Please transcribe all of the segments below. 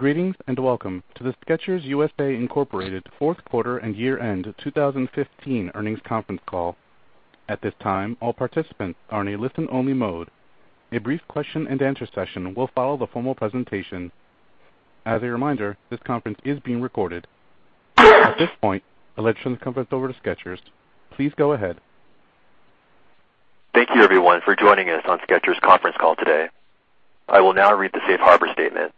Greetings, welcome to the Skechers U.S.A., Inc. fourth quarter and year-end 2015 earnings conference call. At this time, all participants are in a listen-only mode. A brief question and answer session will follow the formal presentation. As a reminder, this conference is being recorded. At this point, I'll let you turn the conference over to Skechers. Please go ahead. Thank you, everyone, for joining us on Skechers conference call today. I will now read the safe harbor statement.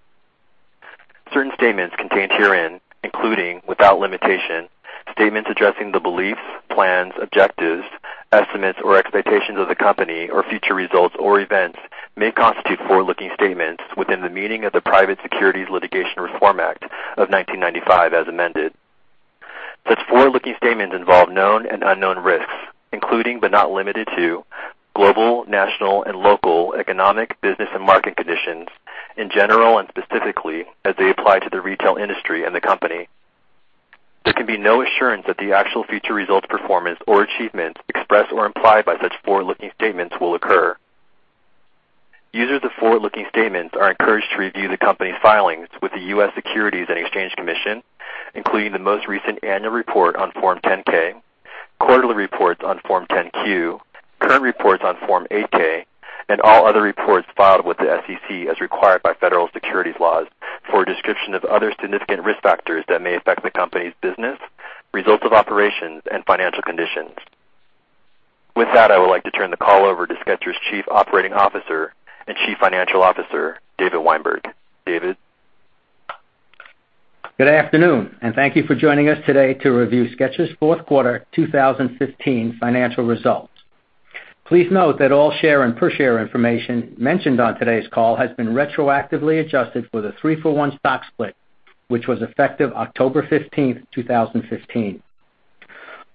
Certain statements contained herein, including, without limitation, statements addressing the beliefs, plans, objectives, estimates, or expectations of the company or future results or events may constitute forward-looking statements within the meaning of the Private Securities Litigation Reform Act of 1995 as amended. Such forward-looking statements involve known and unknown risks, including but not limited to global, national, and local economic, business, and market conditions in general and specifically as they apply to the retail industry and the company. There can be no assurance that the actual future results, performance, or achievements expressed or implied by such forward-looking statements will occur. Users of forward-looking statements are encouraged to review the company's filings with the U.S. Securities and Exchange Commission, including the most recent annual report on Form 10-K, quarterly reports on Form 10-Q, current reports on Form 8-K, and all other reports filed with the SEC as required by federal securities laws for a description of other significant risk factors that may affect the company's business, results of operations, and financial conditions. With that, I would like to turn the call over to Skechers Chief Operating Officer and Chief Financial Officer, David Weinberg. David? Good afternoon. Thank you for joining us today to review Skechers' fourth quarter 2015 financial results. Please note that all share and per share information mentioned on today's call has been retroactively adjusted for the three-for-one stock split, which was effective October 15th, 2015.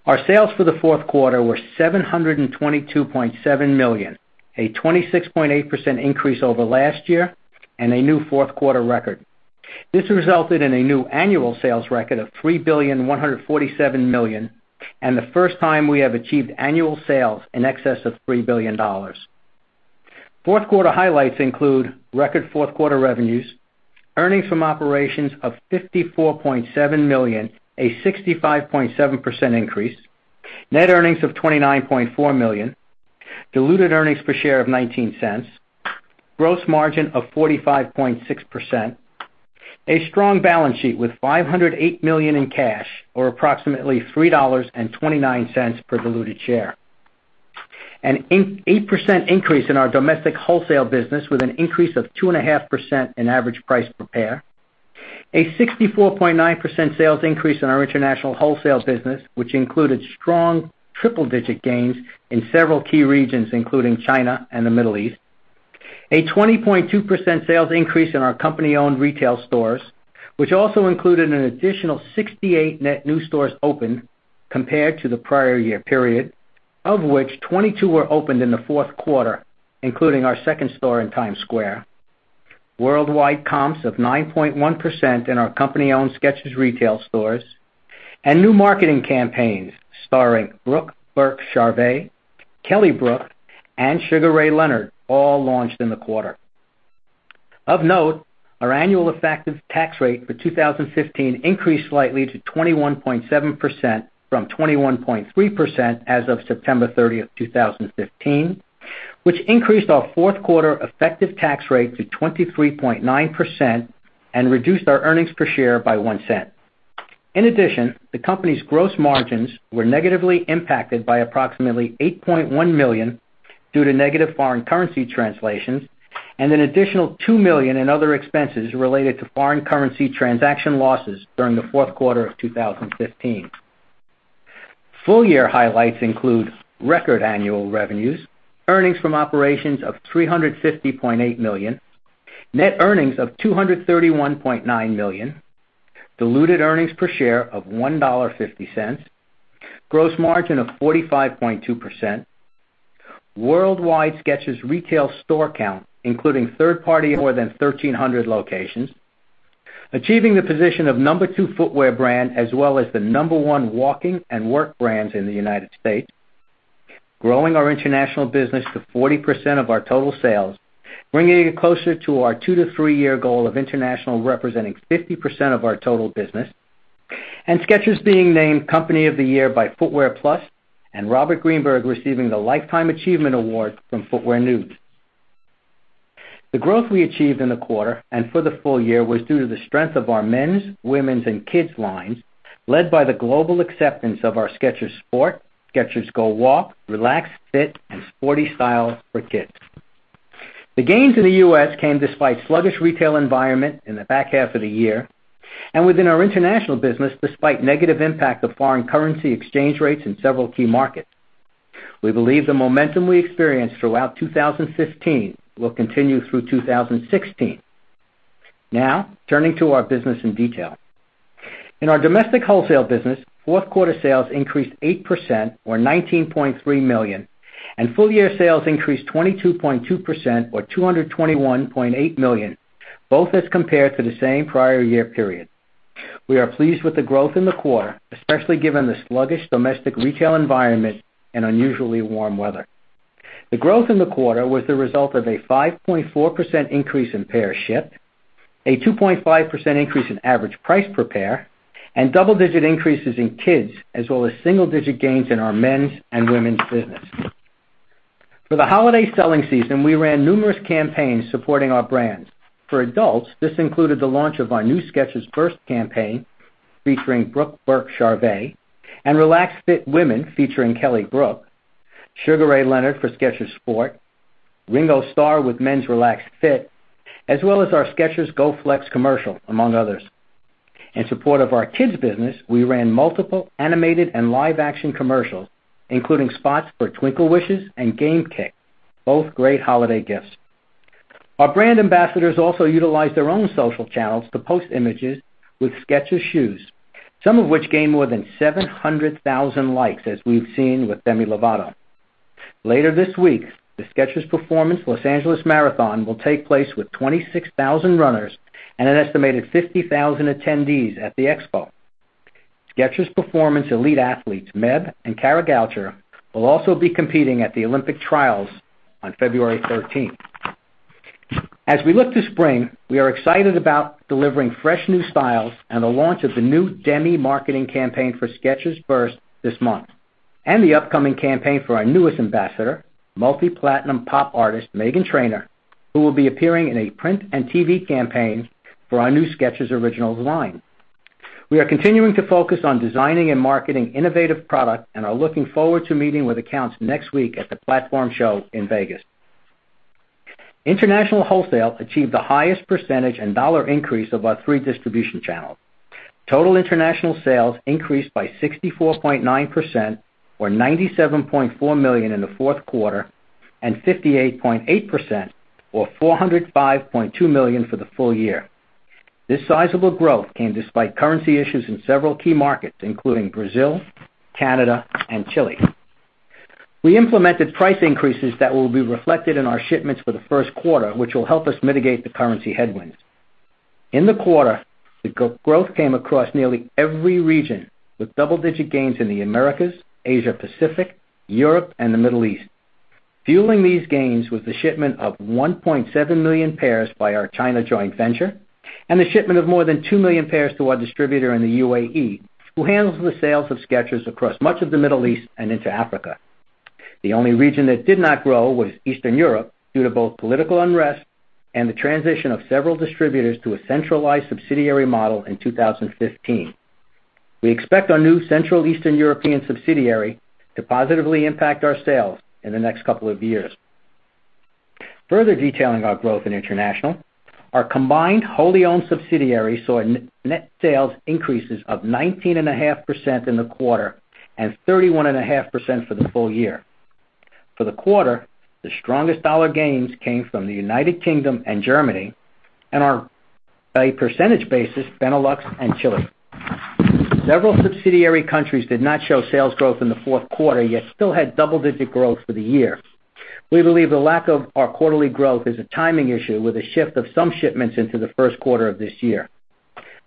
Our sales for the fourth quarter were $722.7 million, a 26.8% increase over last year and a new fourth-quarter record. This resulted in a new annual sales record of $3.147 billion and the first time we have achieved annual sales in excess of $3 billion. Fourth quarter highlights include record fourth quarter revenues, earnings from operations of $54.7 million, a 65.7% increase, net earnings of $29.4 million, diluted earnings per share of $0.19, gross margin of 45.6%, a strong balance sheet with $508 million in cash, or approximately $3.29 per diluted share. An 8% increase in our domestic wholesale business with an increase of 2.5% in average price per pair. A 64.9% sales increase in our international wholesale business, which included strong triple-digit gains in several key regions, including China and the Middle East. A 20.2% sales increase in our company-owned retail stores, which also included an additional 68 net new stores opened compared to the prior year period, of which 22 were opened in the fourth quarter, including our second store in Times Square. Worldwide comps of 9.1% in our company-owned Skechers retail stores and new marketing campaigns starring Brooke Burke-Charvet, Kelly Brook, and Sugar Ray Leonard all launched in the quarter. Of note, our annual effective tax rate for 2015 increased slightly to 21.7% from 21.3% as of September 30th, 2015, which increased our fourth quarter effective tax rate to 23.9% and reduced our earnings per share by $0.01. The company's gross margins were negatively impacted by approximately $8.1 million due to negative foreign currency translations and an additional $2 million in other expenses related to foreign currency transaction losses during the fourth quarter of 2015. Full-year highlights include record annual revenues, earnings from operations of $350.8 million, net earnings of $231.9 million, diluted earnings per share of $1.50, gross margin of 45.2%, worldwide Skechers retail store count, including third party, more than 1,300 locations. Achieving the position of number 2 footwear brand, as well as the number 1 walking and work brands in the U.S. Growing our international business to 40% of our total sales, bringing it closer to our two to three-year goal of international representing 50% of our total business. Skechers being named Company of the Year by Footwear Plus and Robert Greenberg receiving the Lifetime Achievement Award from Footwear News. The growth we achieved in the quarter and for the full year was due to the strength of our men's, women's, and kids' lines, led by the global acceptance of our Skechers Sport, Skechers GO WALK, Relaxed Fit, and sporty style for kids. The gains in the U.S. came despite sluggish retail environment in the back half of the year and within our international business despite negative impact of foreign currency exchange rates in several key markets. We believe the momentum we experienced throughout 2015 will continue through 2016. Turning to our business in detail. In our domestic wholesale business, fourth quarter sales increased 8% or $19.3 million, and full-year sales increased 22.2% or $221.8 million, both as compared to the same prior year period. We are pleased with the growth in the quarter, especially given the sluggish domestic retail environment and unusually warm weather. The growth in the quarter was the result of a 5.4% increase in pairs shipped, a 2.5% increase in average price per pair, and double-digit increases in kids, as well as single-digit gains in our men's and women's business. For the holiday selling season, we ran numerous campaigns supporting our brands. For adults, this included the launch of our new Skechers Burst campaign featuring Brooke Burke-Charvet, and Relaxed Fit women featuring Kelly Brook, Sugar Ray Leonard for Skechers Sport, Ringo Starr with Men's Relaxed Fit, as well as our Skechers GO FLEX commercial, among others. In support of our kids business, we ran multiple animated and live-action commercials, including spots for Twinkle Wishes and Game Kicks, both great holiday gifts. Our brand ambassadors also utilized their own social channels to post images with Skechers shoes, some of which gained more than 700,000 likes, as we've seen with Demi Lovato. Later this week, the Skechers Performance Los Angeles Marathon will take place with 26,000 runners and an estimated 50,000 attendees at the expo. Skechers Performance elite athletes Meb and Kara Goucher will also be competing at the Olympic Trials on February 13th. As we look to spring, we are excited about delivering fresh new styles and the launch of the new Demi marketing campaign for Skechers Burst this month, and the upcoming campaign for our newest ambassador, multi-platinum pop artist Meghan Trainor, who will be appearing in a print and TV campaign for our new Skechers Originals line. We are continuing to focus on designing and marketing innovative product and are looking forward to meeting with accounts next week at the Platform Show in Vegas. International wholesale achieved the highest percentage and dollar increase of our three distribution channels. Total international sales increased by 64.9%, or $97.4 million in the fourth quarter, and 58.8%, or $405.2 million for the full year. This sizable growth came despite currency issues in several key markets, including Brazil, Canada, and Chile. We implemented price increases that will be reflected in our shipments for the first quarter, which will help us mitigate the currency headwinds. In the quarter, the growth came across nearly every region, with double-digit gains in the Americas, Asia Pacific, Europe, and the Middle East. Fueling these gains was the shipment of 1.7 million pairs by our China joint venture and the shipment of more than 2 million pairs to our distributor in the UAE, who handles the sales of Skechers across much of the Middle East and into Africa. The only region that did not grow was Eastern Europe, due to both political unrest and the transition of several distributors to a centralized subsidiary model in 2015. We expect our new Central Eastern European subsidiary to positively impact our sales in the next couple of years. Further detailing our growth in international, our combined wholly owned subsidiaries saw net sales increases of 19.5% in the quarter and 31.5% for the full year. For the quarter, the strongest dollar gains came from the United Kingdom and Germany, and on a percentage basis, Benelux and Chile. Several subsidiary countries did not show sales growth in the fourth quarter, yet still had double-digit growth for the year. We believe the lack of our quarterly growth is a timing issue with a shift of some shipments into the first quarter of this year.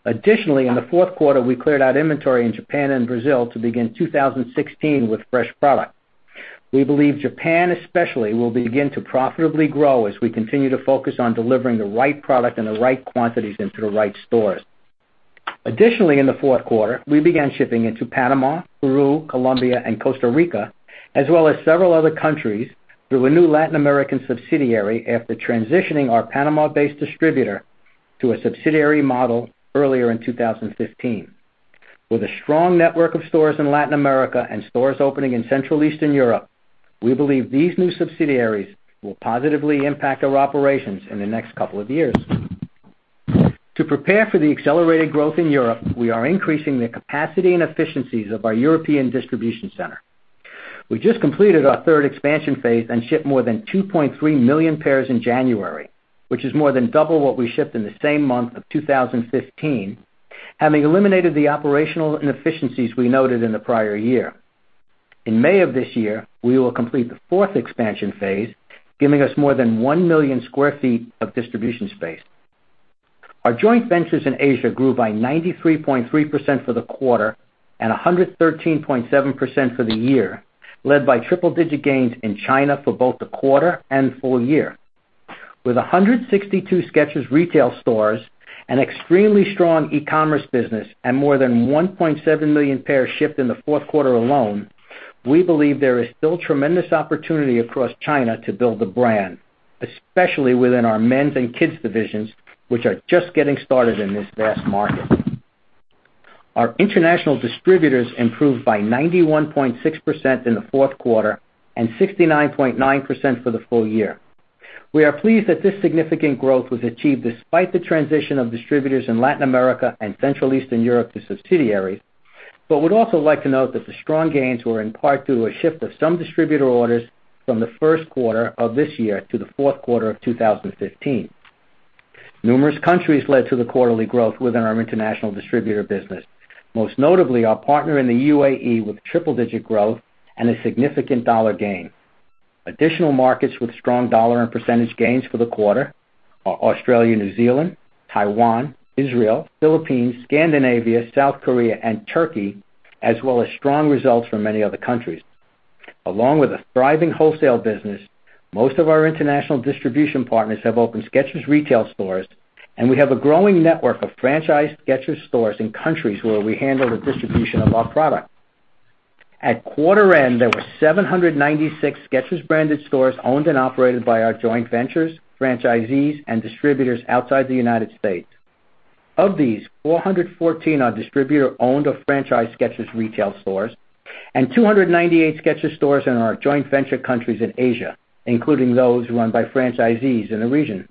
Additionally, in the fourth quarter, we cleared out inventory in Japan and Brazil to begin 2016 with fresh product. We believe Japan especially will begin to profitably grow as we continue to focus on delivering the right product and the right quantities into the right stores. Additionally, in the fourth quarter, we began shipping into Panama, Peru, Colombia, and Costa Rica, as well as several other countries through a new Latin American subsidiary after transitioning our Panama-based distributor to a subsidiary model earlier in 2015. With a strong network of stores in Latin America and stores opening in Central Eastern Europe, we believe these new subsidiaries will positively impact our operations in the next couple of years. To prepare for the accelerated growth in Europe, we are increasing the capacity and efficiencies of our European distribution center. We just completed our third expansion phase and shipped more than 2.3 million pairs in January, which is more than double what we shipped in the same month of 2015, having eliminated the operational inefficiencies we noted in the prior year. In May of this year, we will complete the fourth expansion phase, giving us more than 1 million sq ft of distribution space. Our joint ventures in Asia grew by 93.3% for the quarter and 113.7% for the year, led by triple-digit gains in China for both the quarter and full year. With 162 Skechers retail stores, an extremely strong e-commerce business, and more than 1.7 million pairs shipped in the fourth quarter alone, we believe there is still tremendous opportunity across China to build the brand, especially within our men's and kids divisions, which are just getting started in this vast market. Our international distributors improved by 91.6% in the fourth quarter and 69.9% for the full year. We are pleased that this significant growth was achieved despite the transition of distributors in Latin America and Central Eastern Europe to subsidiaries. We'd also like to note that the strong gains were in part due to a shift of some distributor orders from the first quarter of this year to the fourth quarter of 2015. Numerous countries led to the quarterly growth within our international distributor business, most notably our partner in the UAE with triple-digit growth and a significant dollar gain. Additional markets with strong dollar and percentage gains for the quarter are Australia, New Zealand, Taiwan, Israel, Philippines, Scandinavia, South Korea, and Turkey, as well as strong results from many other countries. Along with a thriving wholesale business, most of our international distribution partners have opened Skechers retail stores, and we have a growing network of franchised Skechers stores in countries where we handle the distribution of our product. At quarter end, there were 796 Skechers-branded stores owned and operated by our joint ventures, franchisees, and distributors outside the U.S. Of these, 414 are distributor-owned or franchised Skechers retail stores and 298 Skechers stores in our joint venture countries in Asia, including those run by franchisees in the region.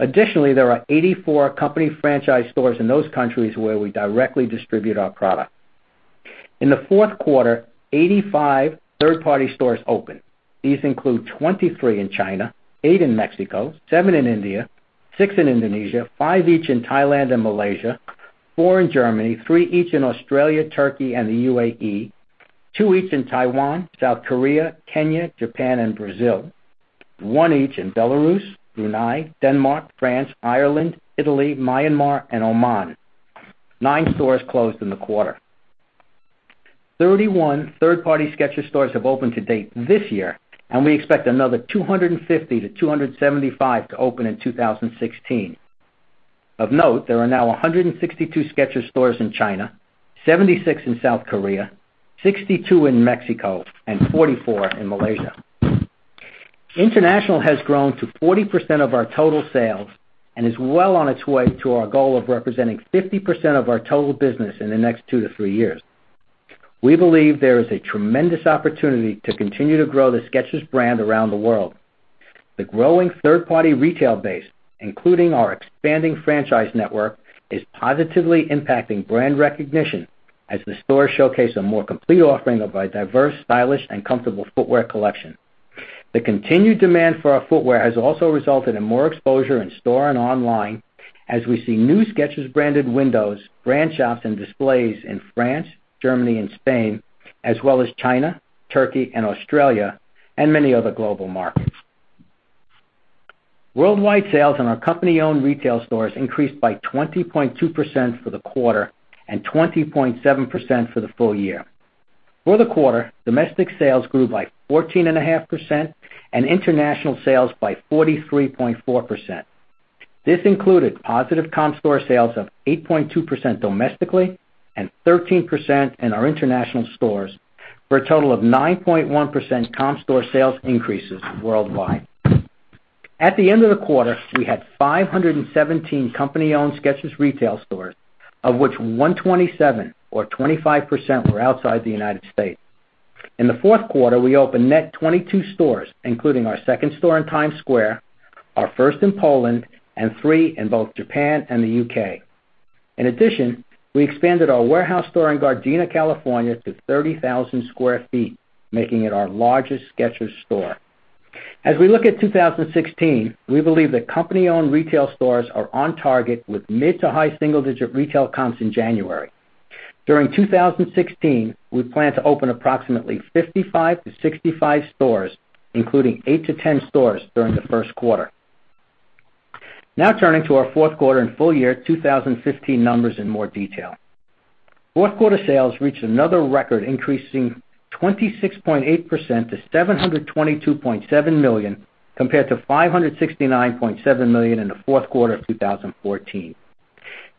Additionally, there are 84 company franchise stores in those countries where we directly distribute our product. In the fourth quarter, 85 third-party stores opened. These include 23 in China, eight in Mexico, seven in India, six in Indonesia, five each in Thailand and Malaysia, four in Germany, three each in Australia, Turkey, and the UAE, two each in Taiwan, South Korea, Kenya, Japan and Brazil. One each in Belarus, Brunei, Denmark, France, Ireland, Italy, Myanmar and Oman. Nine stores closed in the quarter. 31 third-party Skechers stores have opened to date this year, and we expect another 250 to 275 to open in 2016. Of note, there are now 162 Skechers stores in China, 76 in South Korea, 62 in Mexico, and 44 in Malaysia. International has grown to 40% of our total sales and is well on its way to our goal of representing 50% of our total business in the next two to three years. We believe there is a tremendous opportunity to continue to grow the Skechers brand around the world. The growing third-party retail base, including our expanding franchise network, is positively impacting brand recognition as the stores showcase a more complete offering of our diverse, stylish, and comfortable footwear collection. The continued demand for our footwear has also resulted in more exposure in store and online as we see new Skechers-branded windows, brand shops, and displays in France, Germany and Spain, as well as China, Turkey, and Australia, and many other global markets. Worldwide sales in our company-owned retail stores increased by 20.2% for the quarter and 20.7% for the full year. For the quarter, domestic sales grew by 14.5% and international sales by 43.4%. This included positive comp store sales of 8.2% domestically and 13% in our international stores, for a total of 9.1% comp store sales increases worldwide. At the end of the quarter, we had 517 company-owned Skechers retail stores, of which 127 or 25% were outside the United States. In the fourth quarter, we opened net 22 stores, including our second store in Times Square, our first in Poland, and three in both Japan and the U.K. In addition, we expanded our warehouse store in Gardena, California to 30,000 square feet, making it our largest Skechers store. As we look at 2016, we believe that company-owned retail stores are on target with mid to high single-digit retail comps in January. During 2016, we plan to open approximately 55 to 65 stores, including eight to 10 stores during the first quarter. Now, turning to our fourth quarter and full year 2015 numbers in more detail. Fourth quarter sales reached another record, increasing 26.8% to $722.7 million, compared to $569.7 million in the fourth quarter of 2014.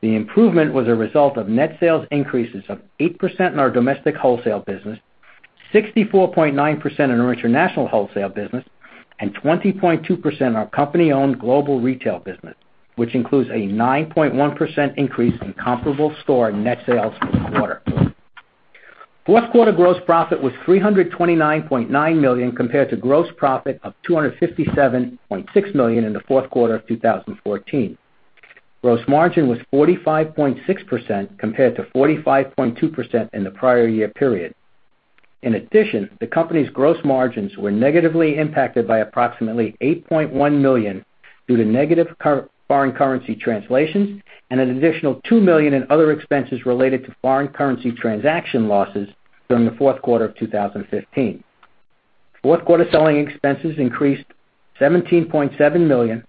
The improvement was a result of net sales increases of 8% in our domestic wholesale business, 64.9% in our international wholesale business, and 20.2% in our company-owned global retail business, which includes a 9.1% increase in comparable store net sales for the quarter. Fourth quarter gross profit was $329.9 million, compared to gross profit of $257.6 million in the fourth quarter of 2014. Gross margin was 45.6%, compared to 45.2% in the prior year period. In addition, the company's gross margins were negatively impacted by approximately $8.1 million due to negative foreign currency translations and an additional $2 million in other expenses related to foreign currency transaction losses during the fourth quarter of 2015. Fourth quarter selling expenses increased $17.7 million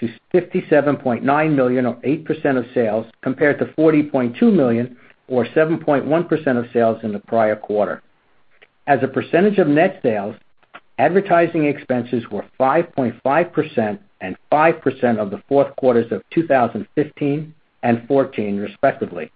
to $57.9 million or 8% of sales, compared to $40.2 million or 7.1% of sales in the prior quarter. As a percentage of net sales, advertising expenses were 5.5% and 5% of the fourth quarters of 2015 and 2014, respectively.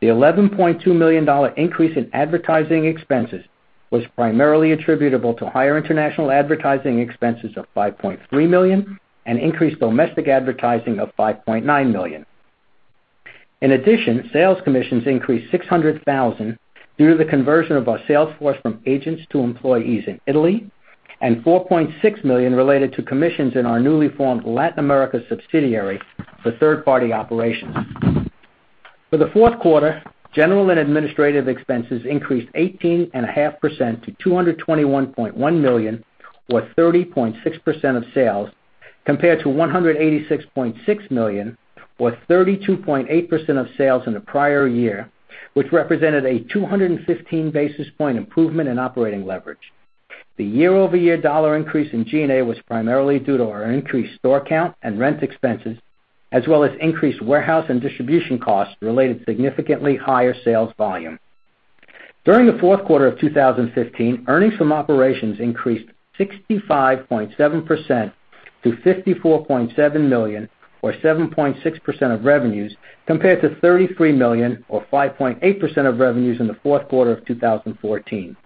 The $11.2 million increase in advertising expenses was primarily attributable to higher international advertising expenses of $5.3 million and increased domestic advertising of $5.9 million. In addition, sales commissions increased $600,000 due to the conversion of our sales force from agents to employees in Italy and $4.6 million related to commissions in our newly formed Latin America subsidiary for third-party operations. For the fourth quarter, general and administrative expenses increased 18.5% to $221.1 million or 30.6% of sales, compared to $186.6 million or 32.8% of sales in the prior year, which represented a 215 basis point improvement in operating leverage. The year-over-year dollar increase in G&A was primarily due to our increased store count and rent expenses, as well as increased warehouse and distribution costs related to significantly higher sales volume. During the fourth quarter of 2015, earnings from operations increased 65.7% to $54.7 million or 7.6% of revenues, compared to $33 million or 5.8% of revenues in the fourth quarter of 2014.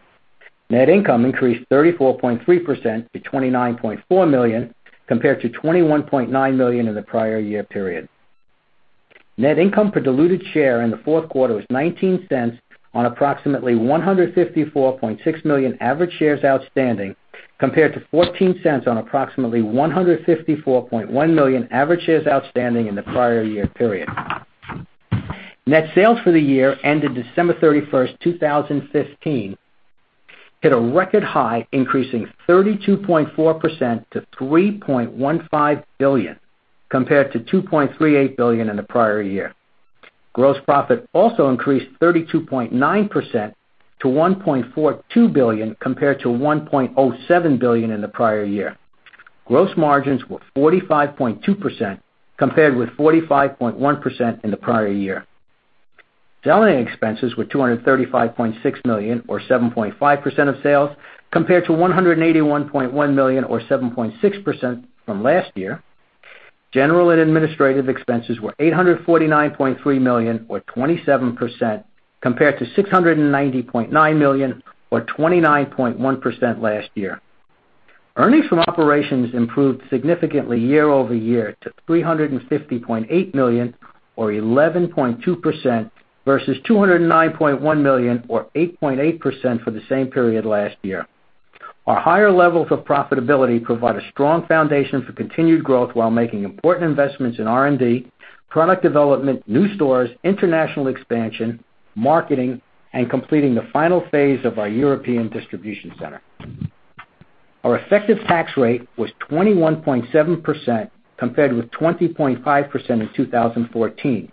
Net income increased 34.3% to $29.4 million, compared to $21.9 million in the prior year period. Net income per diluted share in the fourth quarter was $0.19 on approximately 154.6 million average shares outstanding, compared to $0.14 on approximately 154.1 million average shares outstanding in the prior year period. Net sales for the year ended December 31st, 2015, hit a record high, increasing 32.4% to $3.15 billion compared to $2.38 billion in the prior year. Gross profit also increased 32.9% to $1.42 billion compared to $1.07 billion in the prior year. Gross margins were 45.2%, compared with 45.1% in the prior year. Selling expenses were $235.6 million or 7.5% of sales, compared to $181.1 million or 7.6% from last year. General and administrative expenses were $849.3 million or 27%, compared to $690.9 million or 29.1% last year. Earnings from operations improved significantly year-over-year to $350.8 million or 11.2% versus $209.1 million or 8.8% for the same period last year. Our higher levels of profitability provide a strong foundation for continued growth while making important investments in R&D, product development, new stores, international expansion, marketing, and completing the final phase of our European distribution center. Our effective tax rate was 21.7%, compared with 20.5% in 2014.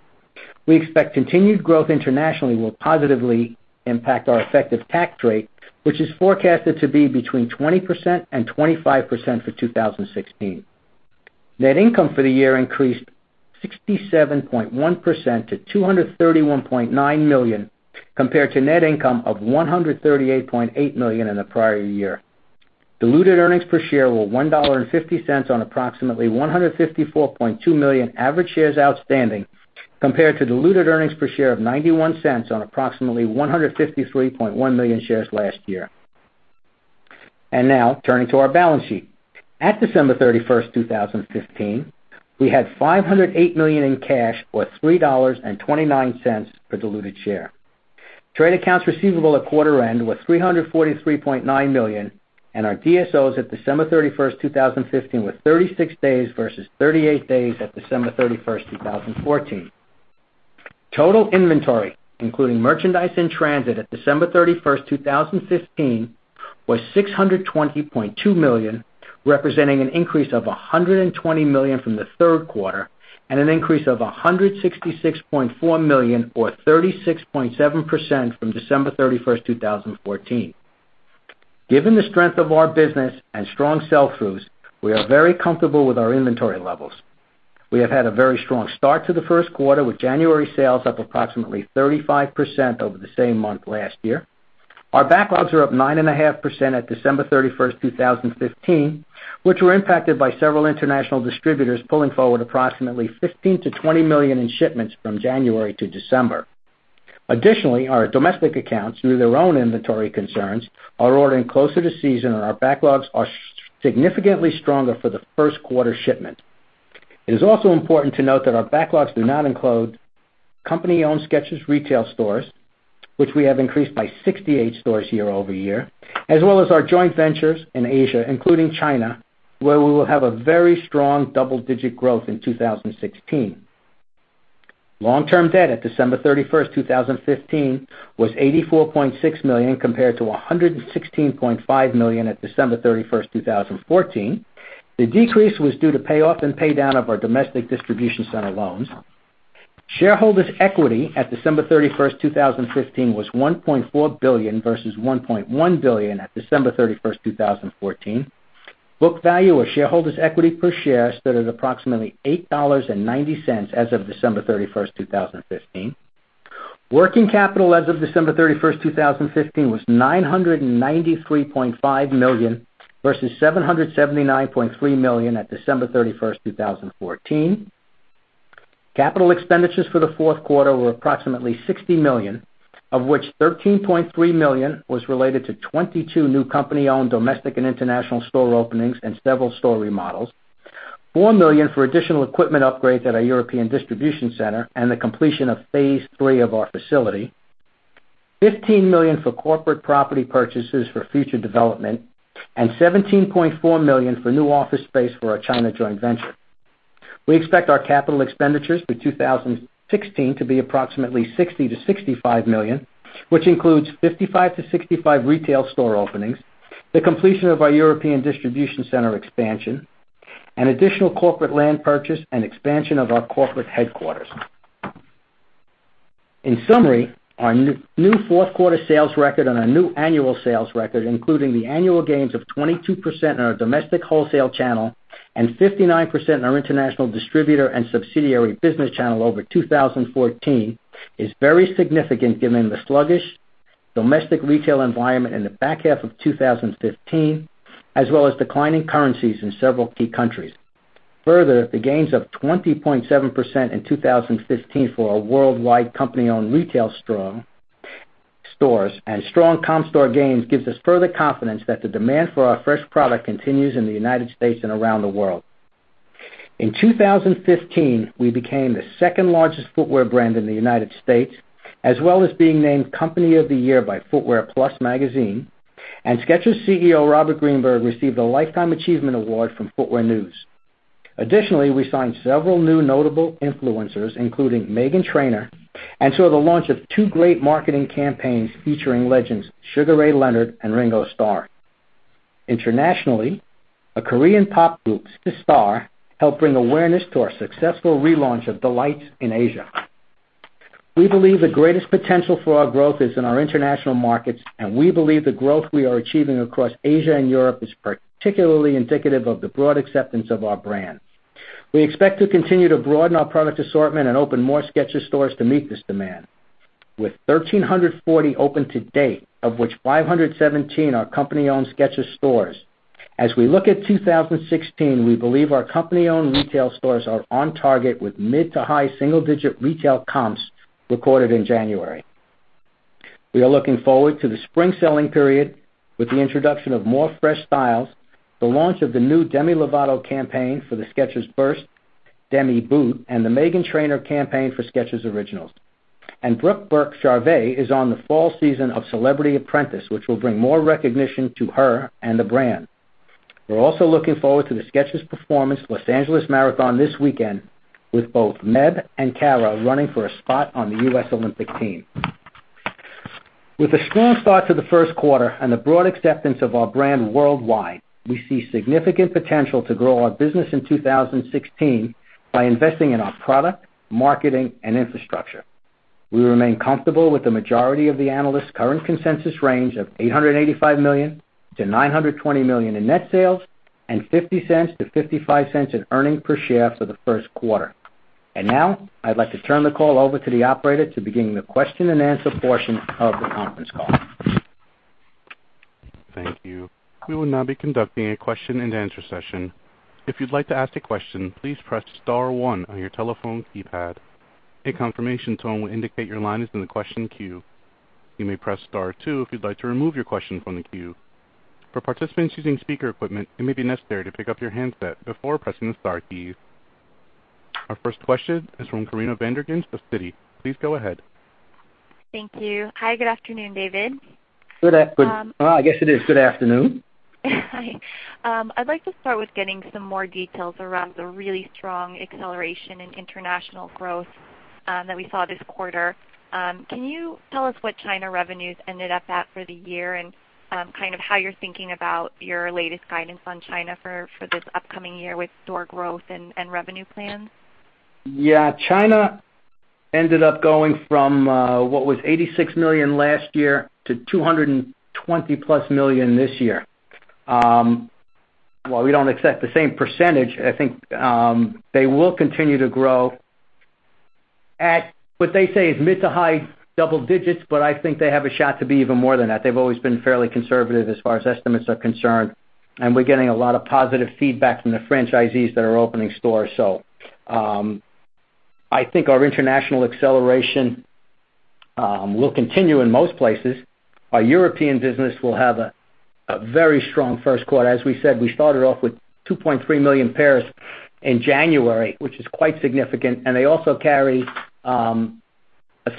We expect continued growth internationally will positively impact our effective tax rate, which is forecasted to be between 20%-25% for 2016. Net income for the year increased 67.1% to $231.9 million, compared to net income of $138.8 million in the prior year. Diluted earnings per share were $1.50 on approximately 154.2 million average shares outstanding, compared to diluted earnings per share of $0.91 on approximately 153.1 million shares last year. Now turning to our balance sheet. At December 31st, 2015, we had $508 million in cash or $3.29 per diluted share. Trade accounts receivable at quarter end was $343.9 million, and our DSOs at December 31st, 2015, were 36 days versus 38 days at December 31st, 2014. Total inventory, including merchandise in transit at December 31st, 2015, was $620.2 million, representing an increase of $120 million from the third quarter and an increase of $166.4 million or 36.7% from December 31st, 2014. Given the strength of our business and strong sell-throughs, we are very comfortable with our inventory levels. We have had a very strong start to the first quarter, with January sales up approximately 35% over the same month last year. Our backlogs are up 9.5% at December 31st, 2015, which were impacted by several international distributors pulling forward approximately $15 million-$20 million in shipments from January to December. Additionally, our domestic accounts, through their own inventory concerns, are ordering closer to season. Our backlogs are significantly stronger for the first quarter shipment. It is also important to note that our backlogs do not include company-owned Skechers retail stores, which we have increased by 68 stores year-over-year, as well as our joint ventures in Asia, including China, where we will have a very strong double-digit growth in 2016. Long-term debt at December 31st, 2015, was $84.6 million compared to $116.5 million at December 31st, 2014. The decrease was due to payoff and paydown of our domestic distribution center loans. Shareholders' equity at December 31st, 2015, was $1.4 billion versus $1.1 billion at December 31st, 2014. Book value of shareholders' equity per share stood at approximately $8.90 as of December 31st, 2015. Working capital as of December 31st, 2015, was $993.5 million versus $779.3 million at December 31st, 2014. Capital expenditures for the fourth quarter were approximately $60 million, of which $13.3 million was related to 22 new company-owned domestic and international store openings and several store remodels. $4 million for additional equipment upgrades at our European distribution center and the completion of phase 3 of our facility. $15 million for corporate property purchases for future development. $17.4 million for new office space for our China joint venture. We expect our capital expenditures for 2016 to be approximately $60 million-$65 million, which includes 55-65 retail store openings, the completion of our European distribution center expansion, an additional corporate land purchase, and expansion of our corporate headquarters. In summary, our new fourth quarter sales record and our new annual sales record, including the annual gains of 22% in our domestic wholesale channel and 59% in our international distributor and subsidiary business channel over 2014, is very significant given the sluggish domestic retail environment in the back half of 2015, as well as declining currencies in several key countries. Further, the gains of 20.7% in 2015 for our worldwide company-owned retail stores and strong comp store gains gives us further confidence that the demand for our fresh product continues in the United States and around the world. In 2015, we became the second largest footwear brand in the United States, as well as being named Company of the Year by Footwear Plus, and Skechers CEO Robert Greenberg received a lifetime achievement award from Footwear News. Additionally, we signed several new notable influencers, including Meghan Trainor, and saw the launch of two great marketing campaigns featuring legends Sugar Ray Leonard and Ringo Starr. Internationally, a Korean pop group, Sistar, helped bring awareness to our successful relaunch of D'Lites in Asia. We believe the greatest potential for our growth is in our international markets. We believe the growth we are achieving across Asia and Europe is particularly indicative of the broad acceptance of our brand. We expect to continue to broaden our product assortment and open more Skechers stores to meet this demand. With 1,340 open to date, of which 517 are company-owned Skechers stores. As we look at 2016, we believe our company-owned retail stores are on target with mid to high single-digit retail comps recorded in January. We are looking forward to the spring selling period with the introduction of more fresh styles, the launch of the new Demi Lovato campaign for the Skechers Burst Demi Boot, and the Meghan Trainor campaign for Skechers Originals. Brooke Burke-Charvet is on the fall season of "The Celebrity Apprentice," which will bring more recognition to her and the brand. We are also looking forward to the Skechers Performance Los Angeles Marathon this weekend, with both Meb and Kara running for a spot on the U.S. Olympic team. With a strong start to the first quarter and the broad acceptance of our brand worldwide, we see significant potential to grow our business in 2016 by investing in our product, marketing, and infrastructure. We remain comfortable with the majority of the analysts' current consensus range of $885 million-$920 million in net sales and $0.50-$0.55 in earnings per share for the first quarter. Now, I'd like to turn the call over to the operator to begin the question and answer portion of the conference call. Thank you. We will now be conducting a question and answer session. If you'd like to ask a question, please press star one on your telephone keypad. A confirmation tone will indicate your line is in the question queue. You may press star two if you'd like to remove your question from the queue. For participants using speaker equipment, it may be necessary to pick up your handset before pressing the star keys. Our first question is from Corinna Van Der Ghinst of Citi. Please go ahead. Thank you. Hi, good afternoon, David. Good afternoon. I guess it is good afternoon. Hi. I'd like to start with getting some more details around the really strong acceleration in international growth that we saw this quarter. Can you tell us what China revenues ended up at for the year and how you're thinking about your latest guidance on China for this upcoming year with store growth and revenue plans? Yeah. China ended up going from what was $86 million last year to $220+ million this year. While we don't expect the same percentage, I think they will continue to grow at what they say is mid to high double digits, but I think they have a shot to be even more than that. They've always been fairly conservative as far as estimates are concerned, and we're getting a lot of positive feedback from the franchisees that are opening stores. I think our international acceleration will continue in most places. Our European business will have a very strong first quarter. As we said, we started off with 2.3 million pairs in January, which is quite significant, and they also carry a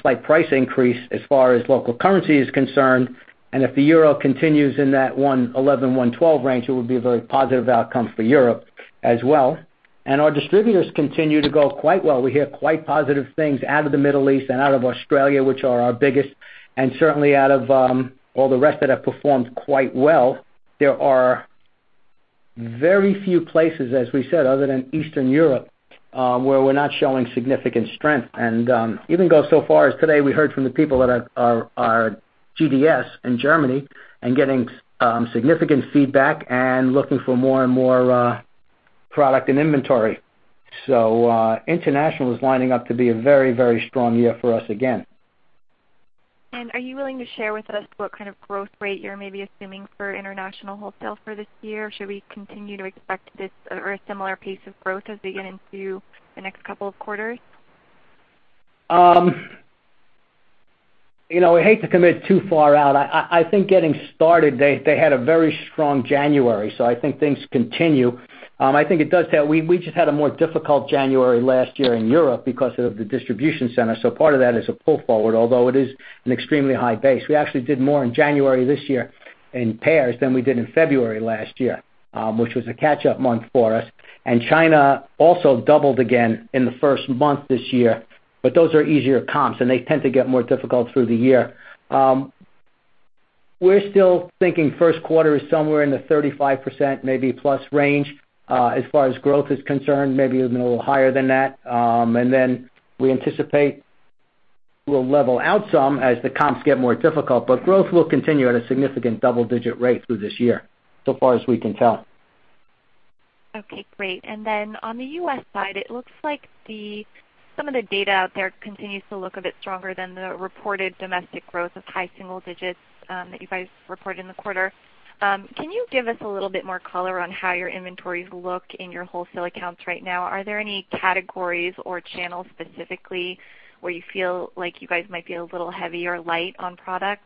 slight price increase as far as local currency is concerned. If the euro continues in that 111-112 range, it would be a very positive outcome for Europe as well. Our distributors continue to go quite well. We hear quite positive things out of the Middle East and out of Australia, which are our biggest, and certainly out of all the rest that have performed quite well. There are very few places, as we said, other than Eastern Europe, where we're not showing significant strength. Even go so far as today, we heard from the people that are GDS in Germany and getting significant feedback and looking for more and more product and inventory. International is lining up to be a very, very strong year for us again. Are you willing to share with us what kind of growth rate you're maybe assuming for international wholesale for this year? Should we continue to expect this or a similar pace of growth as we get into the next couple of quarters? I hate to commit too far out. I think getting started, they had a very strong January, I think things continue. We just had a more difficult January last year in Europe because of the distribution center, part of that is a pull forward, although it is an extremely high base. We actually did more in January this year in pairs than we did in February last year, which was a catch-up month for us. China also doubled again in the first month this year. Those are easier comps, and they tend to get more difficult through the year. We're still thinking first quarter is somewhere in the 35%, maybe plus range, as far as growth is concerned, maybe even a little higher than that. We anticipate we'll level out some as the comps get more difficult, growth will continue at a significant double-digit rate through this year, so far as we can tell. Okay, great. Then on the U.S. side, it looks like some of the data out there continues to look a bit stronger than the reported domestic growth of high single digits that you guys reported in the quarter. Can you give us a little bit more color on how your inventories look in your wholesale accounts right now? Are there any categories or channels specifically where you feel like you guys might be a little heavy or light on product?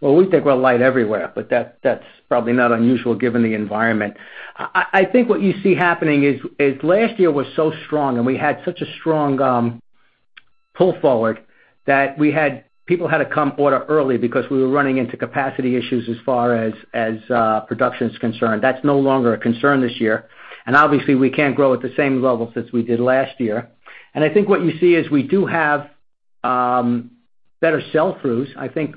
Well, we think we're light everywhere, but that's probably not unusual given the environment. I think what you see happening is last year was so strong and we had such a strong pull forward that people had to come order early because we were running into capacity issues as far as production is concerned. That's no longer a concern this year. Obviously we can't grow at the same level since we did last year. I think what you see is we do have better sell-throughs. I think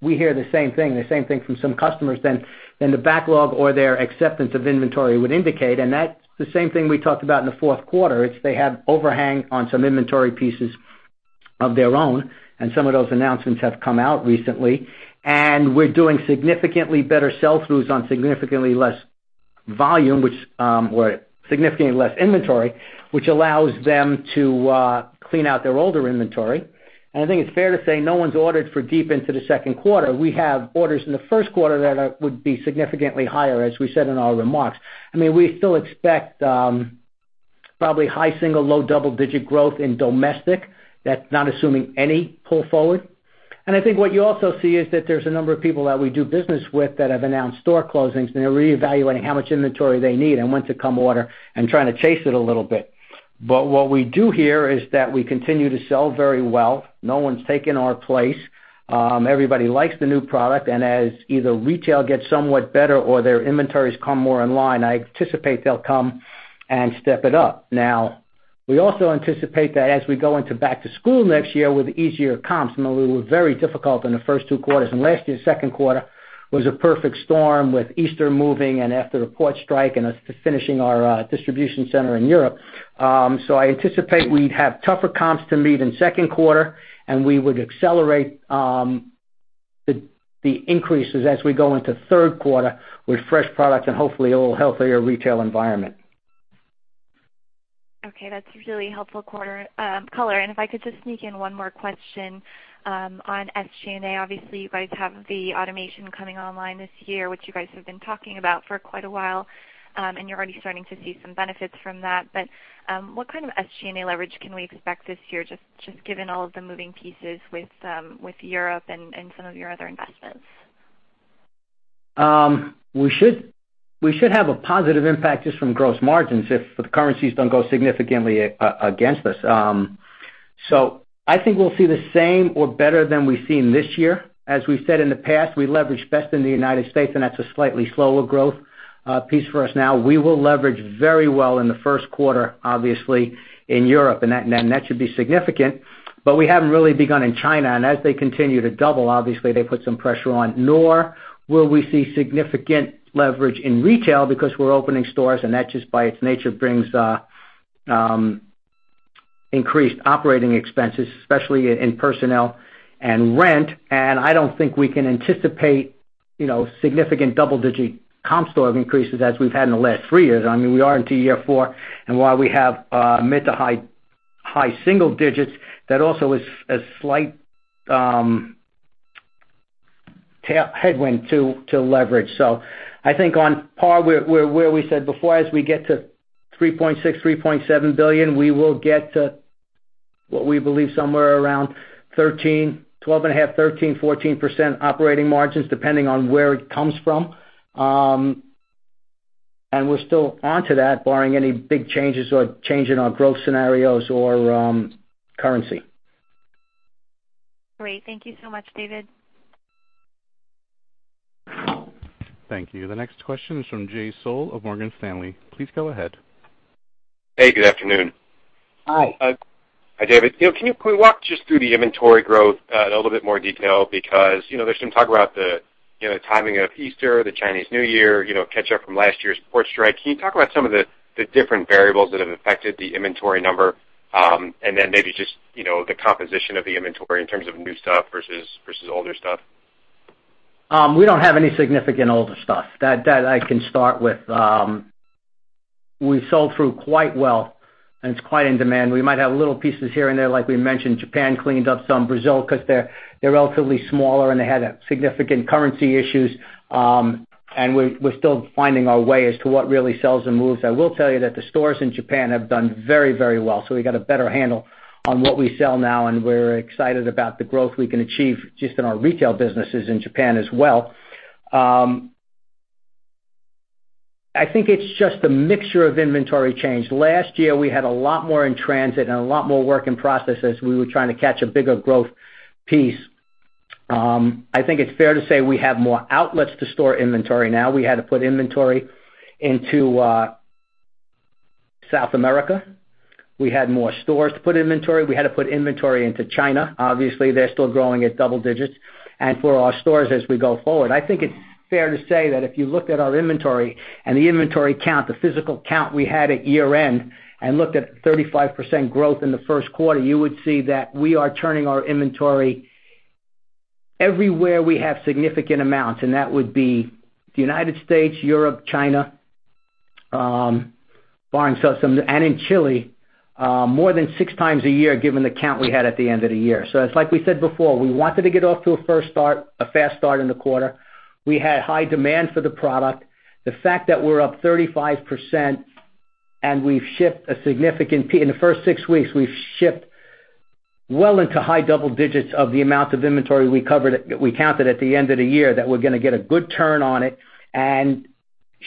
we hear the same thing from some customers than the backlog or their acceptance of inventory would indicate, and that's the same thing we talked about in the fourth quarter. They have overhang on some inventory pieces of their own, some of those announcements have come out recently. We're doing significantly better sell-throughs on significantly less inventory, which allows them to clean out their older inventory. I think it's fair to say no one's ordered for deep into the second quarter. We have orders in the first quarter that would be significantly higher, as we said in our remarks. We still expect probably high single, low double-digit growth in domestic. That's not assuming any pull forward. I think what you also see is that there's a number of people that we do business with that have announced store closings, and they're reevaluating how much inventory they need and when to come order and trying to chase it a little bit. What we do hear is that we continue to sell very well. No one's taken our place. Everybody likes the new product, as either retail gets somewhat better or their inventories come more in line, I anticipate they'll come and step it up. Now, we also anticipate that as we go into back-to-school next year with easier comps, we were very difficult in the first two quarters. Last year's second quarter was a perfect storm with Easter moving and after the port strike and us finishing our distribution center in Europe. I anticipate we'd have tougher comps to meet in the second quarter and we would accelerate the increases as we go into the third quarter with fresh products and hopefully a little healthier retail environment. Okay, that's really helpful color. If I could just sneak in one more question on SG&A. Obviously, you guys have the automation coming online this year, which you guys have been talking about for quite a while. You're already starting to see some benefits from that. What kind of SG&A leverage can we expect this year, just given all of the moving pieces with Europe and some of your other investments? We should have a positive impact just from gross margins if the currencies don't go significantly against us. I think we'll see the same or better than we've seen this year. As we've said in the past, we leverage best in the U.S., and that's a slightly slower growth piece for us now. We will leverage very well in the first quarter, obviously, in Europe, and that should be significant. We haven't really begun in China, and as they continue to double, obviously, they put some pressure on. Nor will we see significant leverage in retail because we're opening stores, and that just by its nature brings increased operating expenses, especially in personnel and rent. I don't think we can anticipate significant double-digit comp store increases as we've had in the last three years. We are into year four, and while we have mid to high single digits, that also is a slight headwind to leverage. I think on par where we said before, as we get to $3.6 billion-$3.7 billion, we will get to what we believe somewhere around 13%, 12.5%, 13%, 14% operating margins, depending on where it comes from. We're still onto that, barring any big changes or change in our growth scenarios or currency. Great. Thank you so much, David. Thank you. The next question is from Jay Sole of Morgan Stanley. Please go ahead. Hey, good afternoon. Hi. Hi, David. Can we walk just through the inventory growth a little bit more detail? There's some talk about the timing of Easter, the Chinese New Year, catch up from last year's port strike. Can you talk about some of the different variables that have affected the inventory number? Maybe just the composition of the inventory in terms of new stuff versus older stuff. We don't have any significant older stuff. That I can start with. We sold through quite well, and it's quite in demand. We might have little pieces here and there, like we mentioned, Japan cleaned up some, Brazil, because they're relatively smaller, and they had significant currency issues. We're still finding our way as to what really sells and moves. I will tell you that the stores in Japan have done very well, so we got a better handle on what we sell now, and we're excited about the growth we can achieve just in our retail businesses in Japan as well. I think it's just a mixture of inventory change. Last year, we had a lot more in transit and a lot more work in process as we were trying to catch a bigger growth piece. I think it's fair to say we have more outlets to store inventory now. We had to put inventory into South America. We had more stores to put inventory. We had to put inventory into China. They're still growing at double digits. For our stores as we go forward, I think it's fair to say that if you looked at our inventory and the inventory count, the physical count we had at year-end, and looked at 35% growth in the first quarter, you would see that we are turning our inventory everywhere we have significant amounts, and that would be the U.S., Europe, China, foreign systems, and in Chile, more than six times a year, given the count we had at the end of the year. It's like we said before, we wanted to get off to a fast start in the quarter. We had high demand for the product. The fact that we're up 35% and in the first six weeks, we've shipped well into high double digits of the amount of inventory we counted at the end of the year, that we're going to get a good turn on it.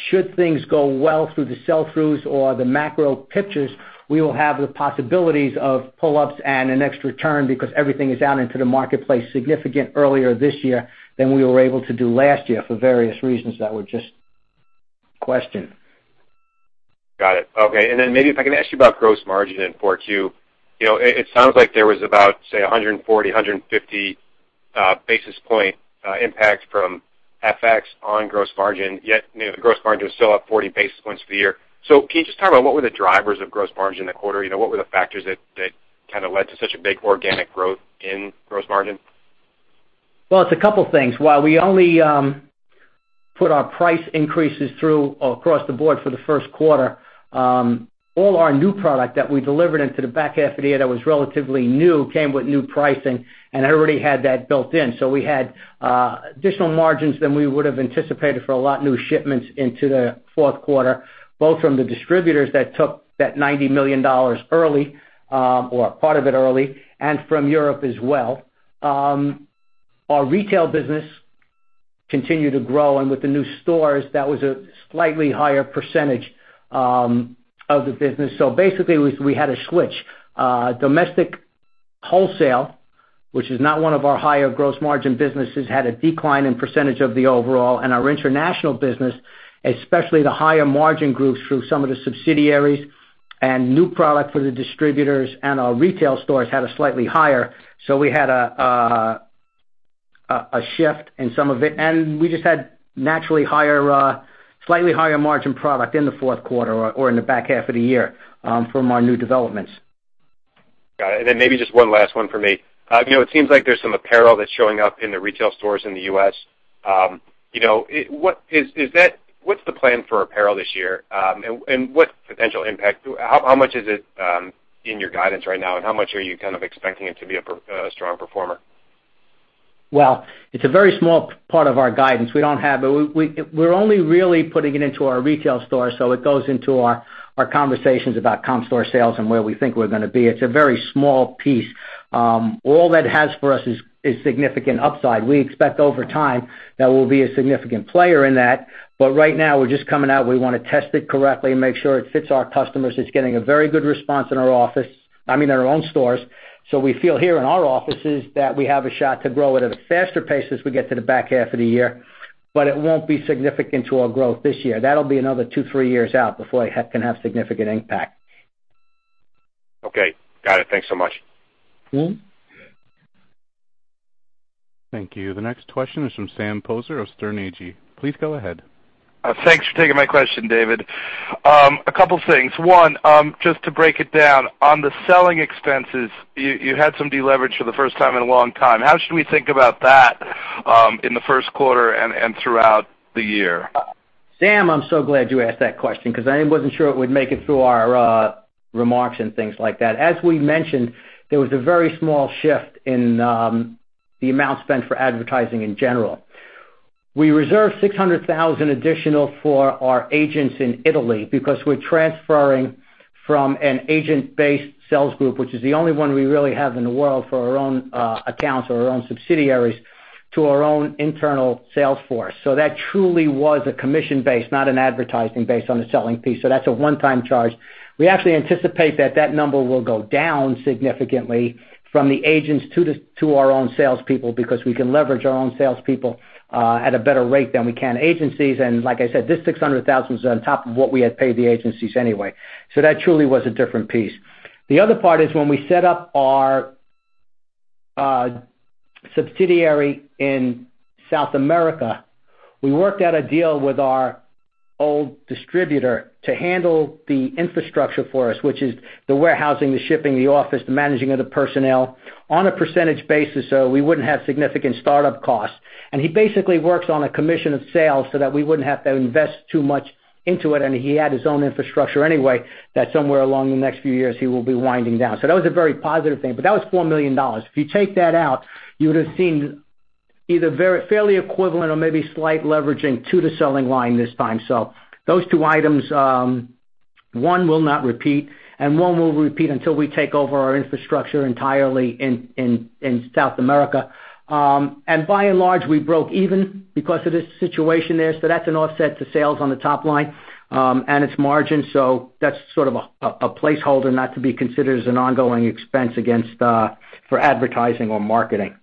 Should things go well through the sell-throughs or the macro pictures, we will have the possibilities of pull-ups and an extra turn because everything is out into the marketplace significant earlier this year than we were able to do last year for various reasons that were just questioned. Got it. Okay. Maybe if I can ask you about gross margin in Q4. It sounds like there was about, say, 140, 150 basis point impact from FX on gross margin, yet the gross margin was still up 40 basis points for the year. Can you just talk about what were the drivers of gross margin in the quarter? What were the factors that led to such a big organic growth in gross margin? Well, it's a couple things. While we only put our price increases through across the board for the first quarter, all our new product that we delivered into the back half of the year that was relatively new came with new pricing, and it already had that built in. We had additional margins than we would have anticipated for a lot new shipments into the fourth quarter, both from the distributors that took that $90 million early, or part of it early, and from Europe as well. Our retail business continued to grow, and with the new stores, that was a slightly higher percentage of the business. Basically, we had a switch. Domestic wholesale, which is not one of our higher gross margin businesses, had a decline in percentage of the overall. Our international business, especially the higher margin groups through some of the subsidiaries and new product for the distributors and our retail stores had a slightly higher. We had a shift in some of it. We just had naturally slightly higher margin product in the fourth quarter or in the back half of the year from our new developments. Got it. Then maybe just one last one for me. It seems like there's some apparel that's showing up in the retail stores in the U.S. What's the plan for apparel this year? What potential impact? How much is it in your guidance right now, and how much are you kind of expecting it to be a strong performer? It's a very small part of our guidance. We're only really putting it into our retail store, so it goes into our conversations about comp store sales and where we think we're going to be. It's a very small piece. All that has for us is significant upside. We expect over time that we'll be a significant player in that. Right now we're just coming out. We want to test it correctly and make sure it fits our customers. It's getting a very good response in our office, I mean, our own stores. We feel here in our offices that we have a shot to grow at a faster pace as we get to the back half of the year, but it won't be significant to our growth this year. That'll be another two, three years out before it can have significant impact. Okay. Got it. Thanks so much. Thank you. The next question is from Sam Poser of Sterne Agee. Please go ahead. Thanks for taking my question, David. A couple things. One, just to break it down. On the selling expenses, you had some deleverage for the first time in a long time. How should we think about that in the first quarter and throughout the year? Sam, I'm so glad you asked that question because I wasn't sure it would make it through our remarks and things like that. As we mentioned, there was a very small shift in the amount spent for advertising in general. We reserved 600,000 additional for our agents in Italy because we're transferring from an agent-based sales group, which is the only one we really have in the world for our own accounts or our own subsidiaries, to our own internal sales force. That truly was a commission base, not an advertising base on the selling piece. That's a one-time charge. We actually anticipate that that number will go down significantly from the agents to our own salespeople because we can leverage our own salespeople at a better rate than we can agencies. Like I said, this 600,000 is on top of what we had paid the agencies anyway. That truly was a different piece. The other part is when we set up our subsidiary in South America, we worked out a deal with our old distributor to handle the infrastructure for us, which is the warehousing, the shipping, the office, the managing of the personnel, on a percentage basis, so we wouldn't have significant startup costs. He basically works on a commission of sales so that we wouldn't have to invest too much into it, and he had his own infrastructure anyway, that somewhere along the next few years, he will be winding down. That was a very positive thing, but that was $4 million. If you take that out, you would have seen either fairly equivalent or maybe slight leveraging to the selling line this time. Those two items, one will not repeat, and one will repeat until we take over our infrastructure entirely in South America. By and large, we broke even because of the situation there. That's an offset to sales on the top line, and its margin, that's sort of a placeholder not to be considered as an ongoing expense for advertising or marketing.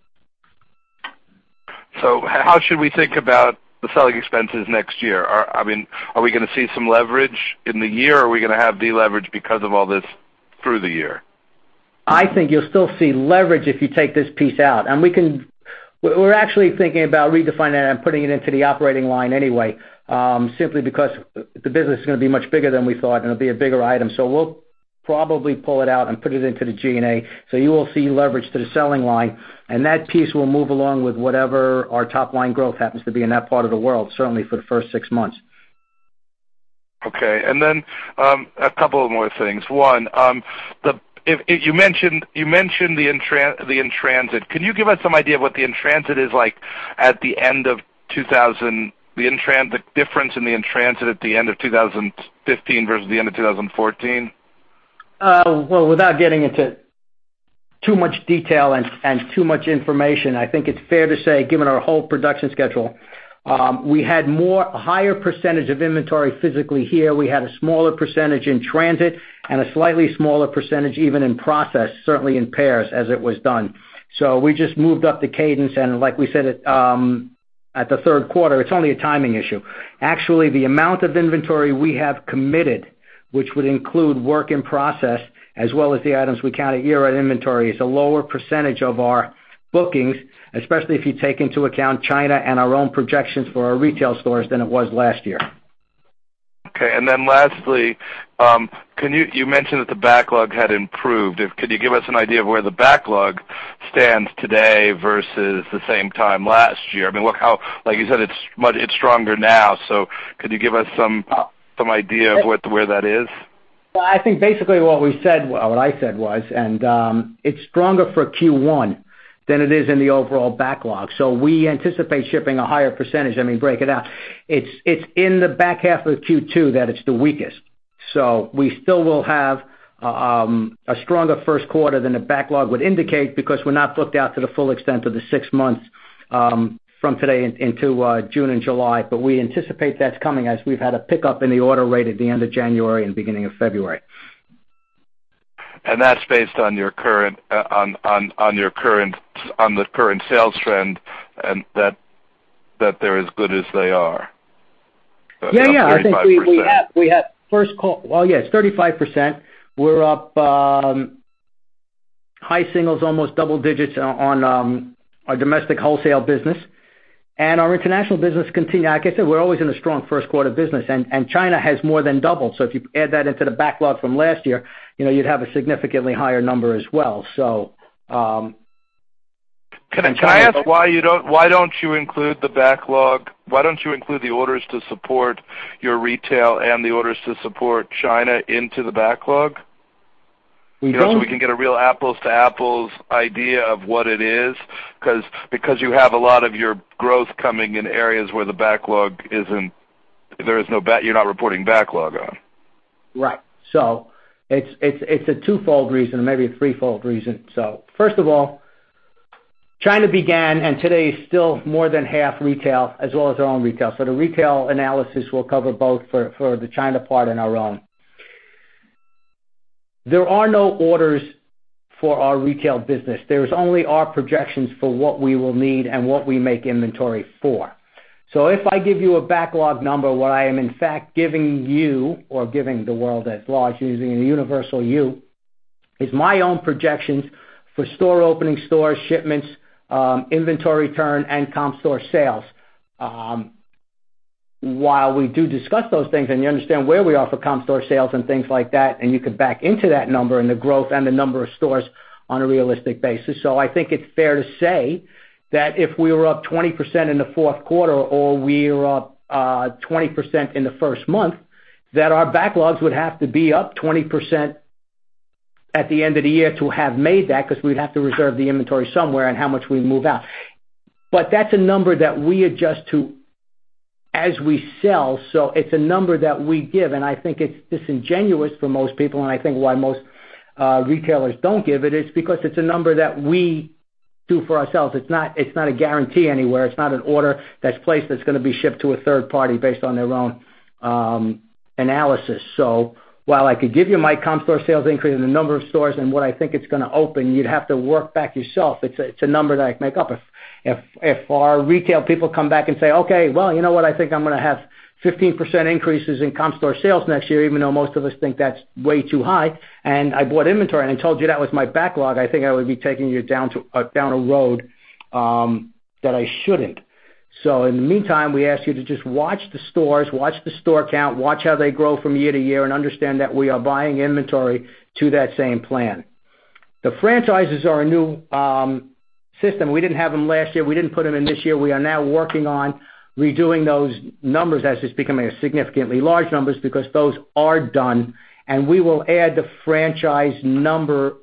How should we think about the selling expenses next year? Are we going to see some leverage in the year, or are we going to have de-leverage because of all this through the year? I think you'll still see leverage if you take this piece out. We're actually thinking about redefining that and putting it into the operating line anyway, simply because the business is going to be much bigger than we thought, and it'll be a bigger item. We'll probably pull it out and put it into the G&A. You will see leverage to the selling line, and that piece will move along with whatever our top-line growth happens to be in that part of the world, certainly for the first six months. Okay, a couple of more things. One, you mentioned the in-transit. Can you give us some idea of what the in-transit is like at the end of 2000, the difference in the in-transit at the end of 2015 versus the end of 2014? Well, without getting into too much detail and too much information, I think it's fair to say, given our whole production schedule, we had a higher percentage of inventory physically here. We had a smaller percentage in transit and a slightly smaller percentage even in process, certainly in pairs as it was done. We just moved up the cadence, and like we said at the third quarter, it's only a timing issue. Actually, the amount of inventory we have committed, which would include work in process as well as the items we count a year at inventory, is a lower percentage of our bookings, especially if you take into account China and our own projections for our retail stores than it was last year. Okay, lastly, you mentioned that the backlog had improved. Could you give us an idea of where the backlog stands today versus the same time last year? Like you said, it's stronger now, could you give us some idea of where that is? Well, I think, basically, what I said was, and it's stronger for Q1 than it is in the overall backlog. We anticipate shipping a higher percentage. Let me break it out. It's in the back half of Q2 that it's the weakest. We still will have a stronger first quarter than the backlog would indicate because we're not booked out to the full extent of the 6 months from today into June and July. We anticipate that's coming as we've had a pickup in the order rate at the end of January and beginning of February. That's based on the current sales trend, and that they're as good as they are. Yeah. 35%. Well, yes, 35%. We're up high singles, almost double digits on our domestic wholesale business. Our international business continue. Like I said, we're always in a strong first quarter business, and China has more than doubled. If you add that into the backlog from last year, you'd have a significantly higher number as well. Can I ask why don't you include the orders to support your retail and the orders to support China into the backlog? We don't. We can get a real apples-to-apples idea of what it is. Because you have a lot of your growth coming in areas where the backlog isn't You're not reporting backlog on. Right. It's a twofold reason, maybe a threefold reason. First of all, China began, and today is still more than half retail, as well as our own retail. The retail analysis will cover both for the China part and our own. There are no orders for our retail business. There's only our projections for what we will need and what we make inventory for. If I give you a backlog number, what I am in fact giving you, or giving the world at large, using a universal you, is my own projections for store openings, store shipments, inventory turn, and comp store sales. While we do discuss those things, and you understand where we are for comp store sales and things like that, and you could back into that number and the growth and the number of stores on a realistic basis. I think it's fair to say that if we were up 20% in the fourth quarter or we're up 20% in the first month, that our backlogs would have to be up 20% at the end of the year to have made that because we'd have to reserve the inventory somewhere and how much we move out. That's a number that we adjust to as we sell. It's a number that we give, and I think it's disingenuous for most people, and I think why most retailers don't give it's because it's a number that we do for ourselves. It's not a guarantee anywhere. It's not an order that's placed that's going to be shipped to a third party based on their own analysis. While I could give you my comp store sales increase in the number of stores and what I think it's going to open, you'd have to work back yourself. It's a number that I can make up. If our retail people come back and say, "Okay, well, you know what? I think I'm going to have 15% increases in comp store sales next year," even though most of us think that's way too high, and I bought inventory and I told you that was my backlog, I think I would be taking you down a road that I shouldn't. In the meantime, we ask you to just watch the stores, watch the store count, watch how they grow from year to year, and understand that we are buying inventory to that same plan. The franchises are a new system. We didn't have them last year. We didn't put them in this year. We are now working on redoing those numbers as it's becoming a significantly large numbers because those are done, and we will add the franchise number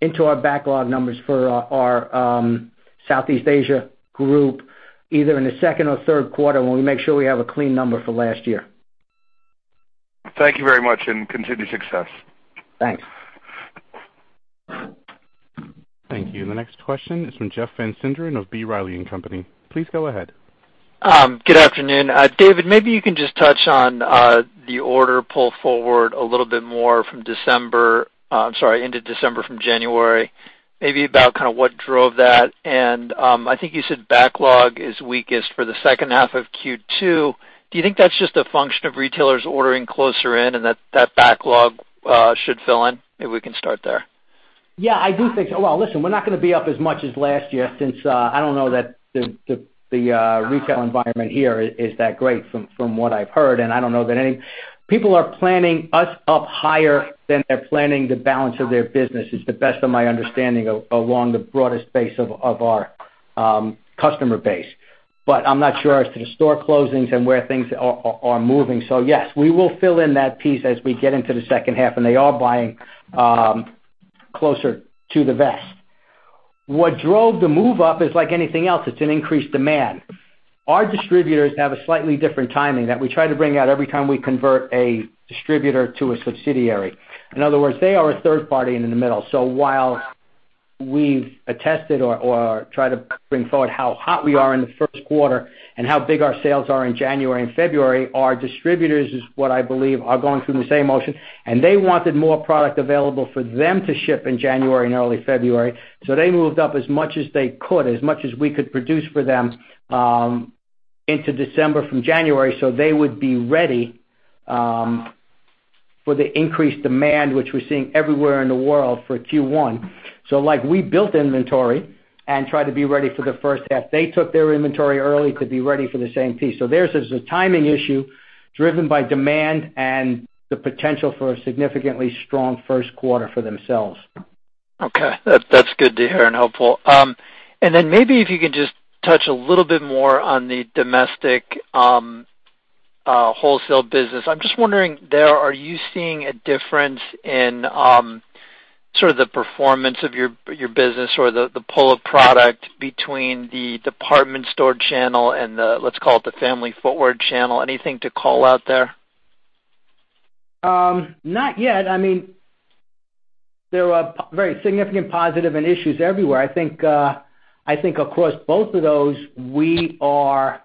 into our backlog numbers for our Southeast Asia group, either in the second or third quarter when we make sure we have a clean number for last year. Thank you very much. Continued success. Thanks. Thank you. The next question is from Jeff Van Sinderen of B. Riley & Co.. Please go ahead. Good afternoon. David, maybe you can just touch on the order pull forward a little bit more into December from January, maybe about what drove that. I think you said backlog is weakest for the second half of Q2. Do you think that's just a function of retailers ordering closer in and that backlog should fill in? Maybe we can start there. Yeah, I do think so. Well, listen, we're not going to be up as much as last year since I don't know that the retail environment here is that great from what I've heard, and I don't know that any people are planning us up higher than they're planning the balance of their business, is to the best of my understanding, along the broadest base of our customer base. I'm not sure as to the store closings and where things are moving. Yes, we will fill in that piece as we get into the second half, and they are buying closer to the vest. What drove the move up is like anything else. It's an increased demand. Our distributors have a slightly different timing that we try to bring out every time we convert a distributor to a subsidiary. In other words, they are a third party in the middle. While we've attested or tried to bring forward how hot we are in the first quarter and how big our sales are in January and February, our distributors, is what I believe, are going through the same motion, and they wanted more product available for them to ship in January and early February. They moved up as much as they could, as much as we could produce for them, into December from January, so they would be ready for the increased demand, which we're seeing everywhere in the world for Q1. We built inventory and tried to be ready for the first half. They took their inventory early to be ready for the same piece. Theirs is a timing issue driven by demand and the potential for a significantly strong first quarter for themselves. Okay. That's good to hear and helpful. Then maybe if you could just touch a little bit more on the domestic wholesale business. I'm just wondering there, are you seeing a difference in sort of the performance of your business or the pull of product between the department store channel and the, let's call it, the family footwear channel? Anything to call out there? Not yet. There are very significant positive and issues everywhere. I think across both of those, we are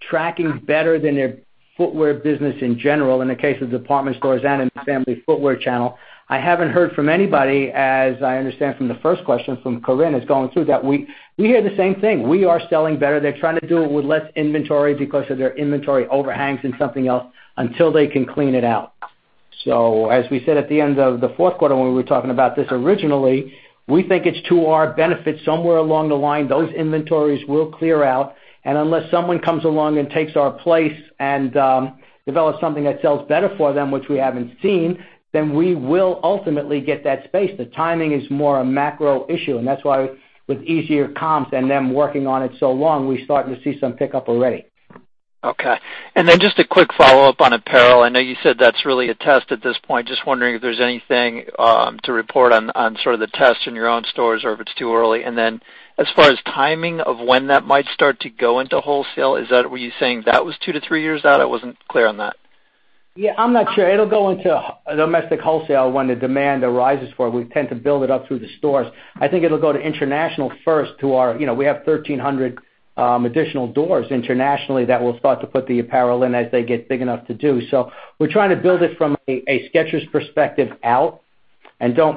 tracking better than a footwear business in general, in the case of department stores and in the family footwear channel. I haven't heard from anybody, as I understand from the first question from Corinna, is going through that we hear the same thing. We are selling better. They're trying to do it with less inventory because of their inventory overhangs and something else until they can clean it out. As we said at the end of the fourth quarter when we were talking about this originally, we think it's to our benefit. Somewhere along the line, those inventories will clear out. Unless someone comes along and takes our place and develops something that sells better for them, which we haven't seen, then we will ultimately get that space. The timing is more a macro issue, that's why with easier comps and them working on it so long, we're starting to see some pickup already. Okay. Then just a quick follow-up on apparel. I know you said that's really a test at this point. Just wondering if there's anything to report on sort of the test in your own stores or if it's too early. Then as far as timing of when that might start to go into wholesale, were you saying that was two to three years out? I wasn't clear on that. Yeah, I'm not sure. It'll go into domestic wholesale when the demand arises for it. We tend to build it up through the stores. I think it'll go to international first. We have 1,300 additional doors internationally that will start to put the apparel in as they get big enough to do so. Don't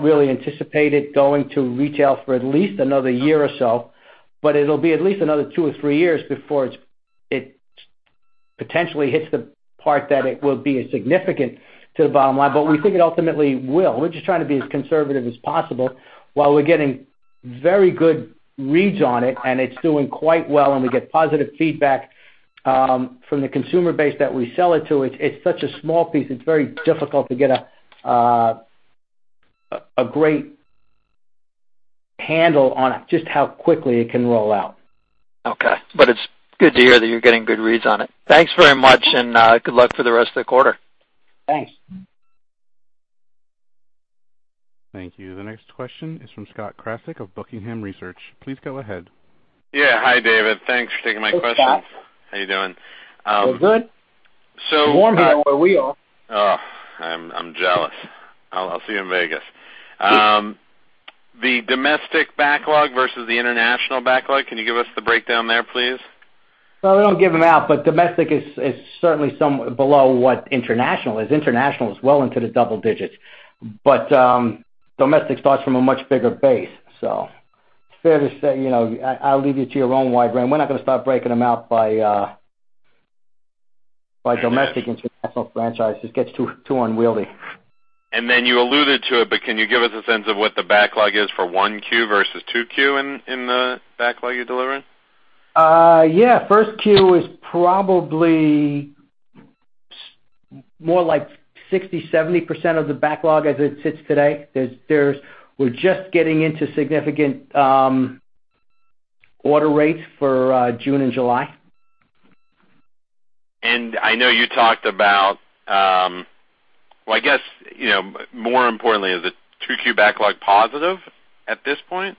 really anticipate it going to retail for at least another year or so. It'll be at least another two or three years before it potentially hits the part that it will be significant to the bottom line, but we think it ultimately will. We're just trying to be as conservative as possible while we're getting very good reads on it and it's doing quite well, we get positive feedback from the consumer base that we sell it to. It's such a small piece, it's very difficult to get a great handle on just how quickly it can roll out. Okay. It's good to hear that you're getting good reads on it. Thanks very much, and good luck for the rest of the quarter. Thanks. Thank you. The next question is from Scott Krasik of Buckingham Research. Please go ahead. Yeah. Hi, David. Thanks for taking my question. Hey, Scott. How you doing? We're good. It's warmer here where we are. Ugh. I'm jealous. I'll see you in Vegas. The domestic backlog versus the international backlog, can you give us the breakdown there, please? Well, we don't give them out, but domestic is certainly somewhat below what international is. International is well into the double digits, but domestic starts from a much bigger base. It's fair to say, I'll leave you to your own wide rein. We're not going to start breaking them out by domestic, international franchises. Gets too unwieldy. Can you give us a sense of what the backlog is for Q1 versus Q2 in the backlog you're delivering? Yeah. First Q is probably more like 60%-70% of the backlog as it sits today. We're just getting into significant order rates for June and July. I know you talked about Well, I guess, more importantly, is the Q2 backlog positive at this point?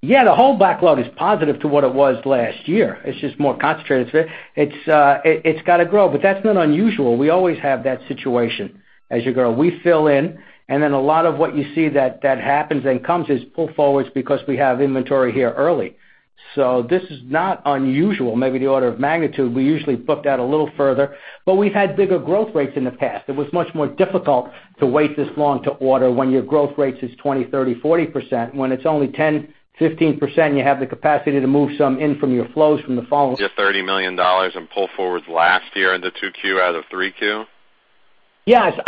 Yeah, the whole backlog is positive to what it was last year. It's just more concentrated. It's got to grow, That's not unusual. We always have that situation as you grow. We fill in, A lot of what you see that happens and comes is pull forwards because we have inventory here early. This is not unusual. Maybe the order of magnitude, We usually book that a little further, We've had bigger growth rates in the past. It was much more difficult to wait this long to order when your growth rate is 20%-30%-40%. When it's only 10%-15%, you have the capacity to move some in from your flows from the [following]. Get $30 million in pull forwards last year into 2Q out of 3Q? Yes.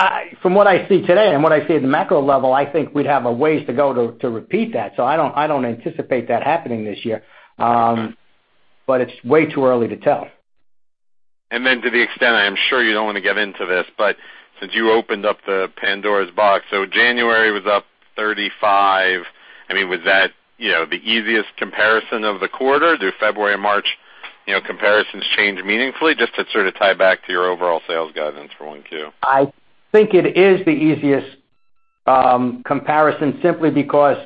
From what I see today and what I see at the macro level, I think we'd have a ways to go to repeat that. I don't anticipate that happening this year. It's way too early to tell. To the extent, I am sure you don't want to get into this, since you opened up the Pandora's box, January was up 35%. Was that the easiest comparison of the quarter? Do February and March comparisons change meaningfully? Just to sort of tie back to your overall sales guidance for 1Q. I think it is the easiest comparison simply because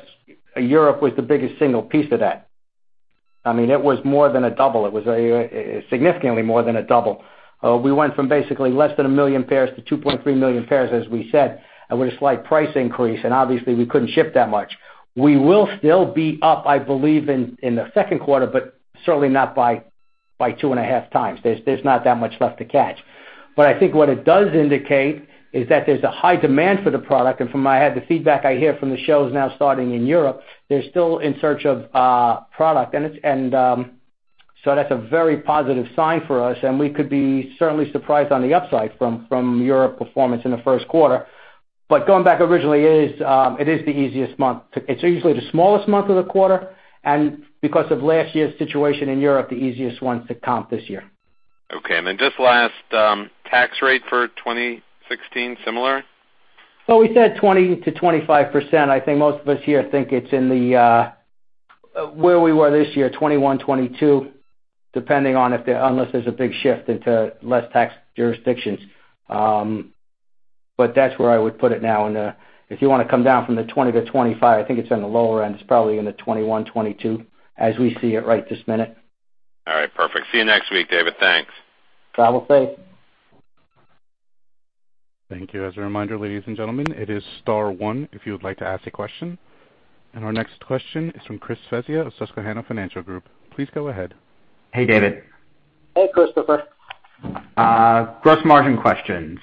Europe was the biggest single piece of that. It was more than a double. It was significantly more than a double. We went from basically less than 1 million pairs to 2.3 million pairs, as we said, with a slight price increase, and obviously, we couldn't ship that much. We will still be up, I believe, in the second quarter, certainly not by 2.5 times. There's not that much left to catch. I think what it does indicate is that there's a high demand for the product, and from the feedback I hear from the shows now starting in Europe, they're still in search of product. That's a very positive sign for us, and we could be certainly surprised on the upside from Europe performance in the first quarter. Going back originally, it is the easiest month. It's usually the smallest month of the quarter, and because of last year's situation in Europe, the easiest one to comp this year. Okay. Just last, tax rate for 2016, similar? We said 20%-25%. I think most of us here think it's in where we were this year, 21, 22, depending on unless there's a big shift into less tax jurisdictions. That's where I would put it now. If you want to come down from the 20-25, I think it's in the lower end. It's probably in the 21, 22 as we see it right this minute. All right, perfect. See you next week, David. Thanks. Travel safe. Thank you. As a reminder, ladies and gentlemen, it is star one if you would like to ask a question. Our next question is from Chris Svezia of Susquehanna Financial Group. Please go ahead. Hey, David. Hey, Chris. Gross margin question.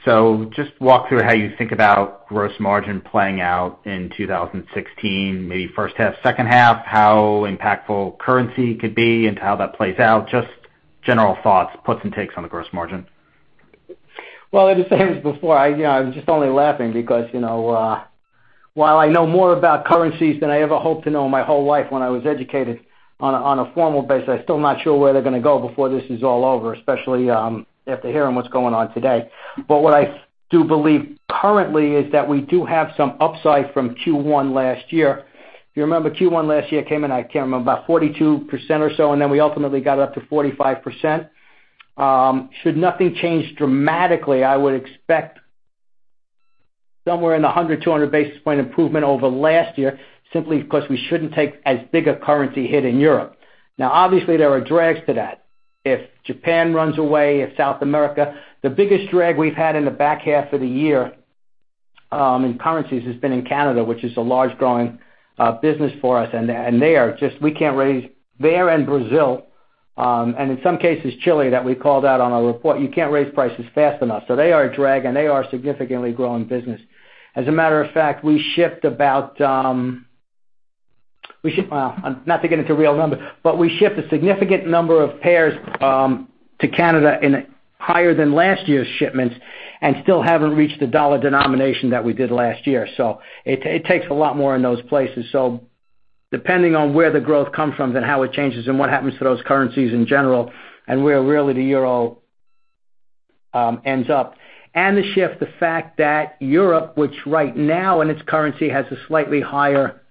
Just walk through how you think about gross margin playing out in 2016, maybe first half, second half, how impactful currency could be into how that plays out. Just general thoughts, puts and takes on the gross margin. Well, as I said this before, I was just only laughing because while I know more about currencies than I ever hoped to know in my whole life when I was educated on a formal basis, I'm still not sure where they're going to go before this is all over, especially after hearing what's going on today. What I do believe currently is that we do have some upside from Q1 last year. If you remember, Q1 last year came in, I can't remember, about 42% or so, and then we ultimately got it up to 45%. Should nothing change dramatically, I would expect somewhere in the 100, 200 basis point improvement over last year, simply because we shouldn't take as big a currency hit in Europe. Obviously, there are drags to that. If Japan runs away, if South America. The biggest drag we've had in the back half of the year in currencies has been in Canada, which is a large growing business for us. There, and Brazil, and in some cases, Chile, that we called out on our report, you can't raise prices fast enough. They are a drag, and they are a significantly growing business. As a matter of fact, well, not to get into real numbers, but we shipped a significant number of pairs to Canada in higher than last year's shipments and still haven't reached the dollar denomination that we did last year. It takes a lot more in those places. Depending on where the growth comes from, then how it changes and what happens to those currencies in general, and where really the Euro ends up. The shift, the fact that Europe, which right now in its currency, has a slightly higher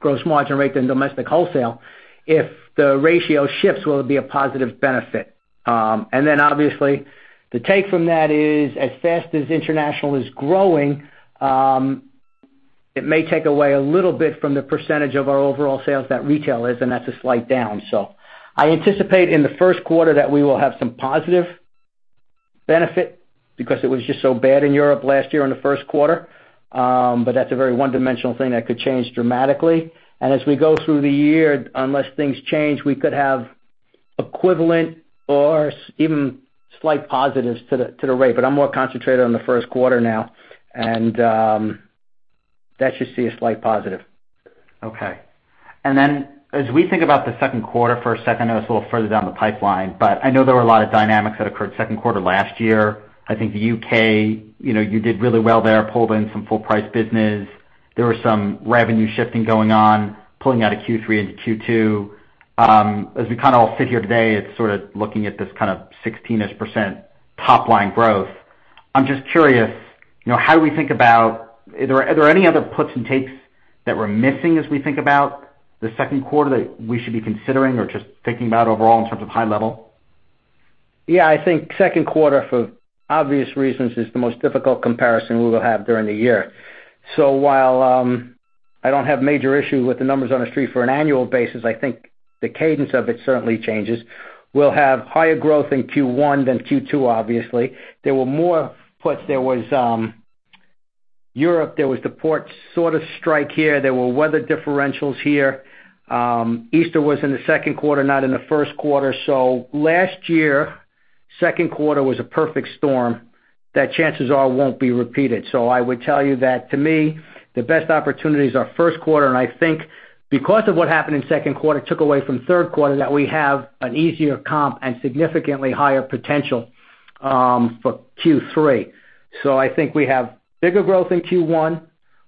gross margin rate than domestic wholesale. If the ratio shifts, will it be a positive benefit? Then, obviously, the take from that is, as fast as international is growing, it may take away a little bit from the percentage of our overall sales that retail is, and that's a slight down. I anticipate in the first quarter that we will have some positive benefit because it was just so bad in Europe last year in the first quarter. That's a very one-dimensional thing that could change dramatically. As we go through the year, unless things change, we could have equivalent or even slight positives to the rate. I'm more concentrated on the first quarter now, and that should see a slight positive. Okay. As we think about the second quarter for a second, I know it's a little further down the pipeline, but I know there were a lot of dynamics that occurred second quarter last year. I think the U.K., you did really well there, pulled in some full-price business. There was some revenue shifting going on, pulling out of Q3 into Q2. As we kind of all sit here today, it's sort of looking at this kind of 16-ish% top line growth. I'm just curious, how do we think about, are there any other puts and takes that we're missing as we think about the second quarter that we should be considering or just thinking about overall in terms of high level? I think second quarter, for obvious reasons, is the most difficult comparison we will have during the year. While I don't have major issue with the numbers on the street for an annual basis, I think the cadence of it certainly changes. We'll have higher growth in Q1 than Q2, obviously. There were more puts. There was Europe. There was the port sort of strike here. There were weather differentials here. Easter was in the second quarter, not in the first quarter. Last year, second quarter was a perfect storm that chances are won't be repeated. I would tell you that to me, the best opportunities are first quarter, and I think because of what happened in second quarter, took away from third quarter, that we have an easier comp and significantly higher potential for Q3. I think we have bigger growth in Q1.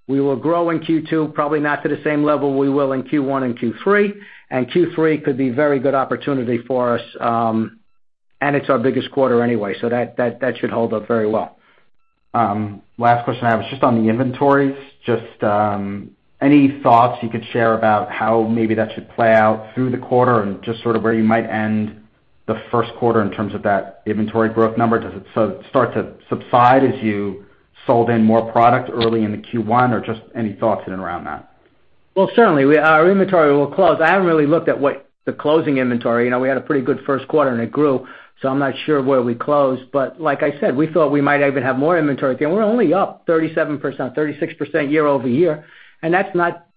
We will grow in Q2, probably not to the same level we will in Q1 and Q3. Q3 could be very good opportunity for us, and it's our biggest quarter anyway, so that should hold up very well. Last question I have is just on the inventories. Just any thoughts you could share about how maybe that should play out through the quarter and just sort of where you might end the first quarter in terms of that inventory growth number? Does it start to subside as you sold in more product early in the Q1? Or just any thoughts in and around that? Well, certainly. Our inventory will close. I haven't really looked at what the closing inventory. We had a pretty good first quarter, and it grew. I'm not sure where we closed. Like I said, we thought we might even have more inventory. Again, we're only up 37%, 36% year-over-year, and that's not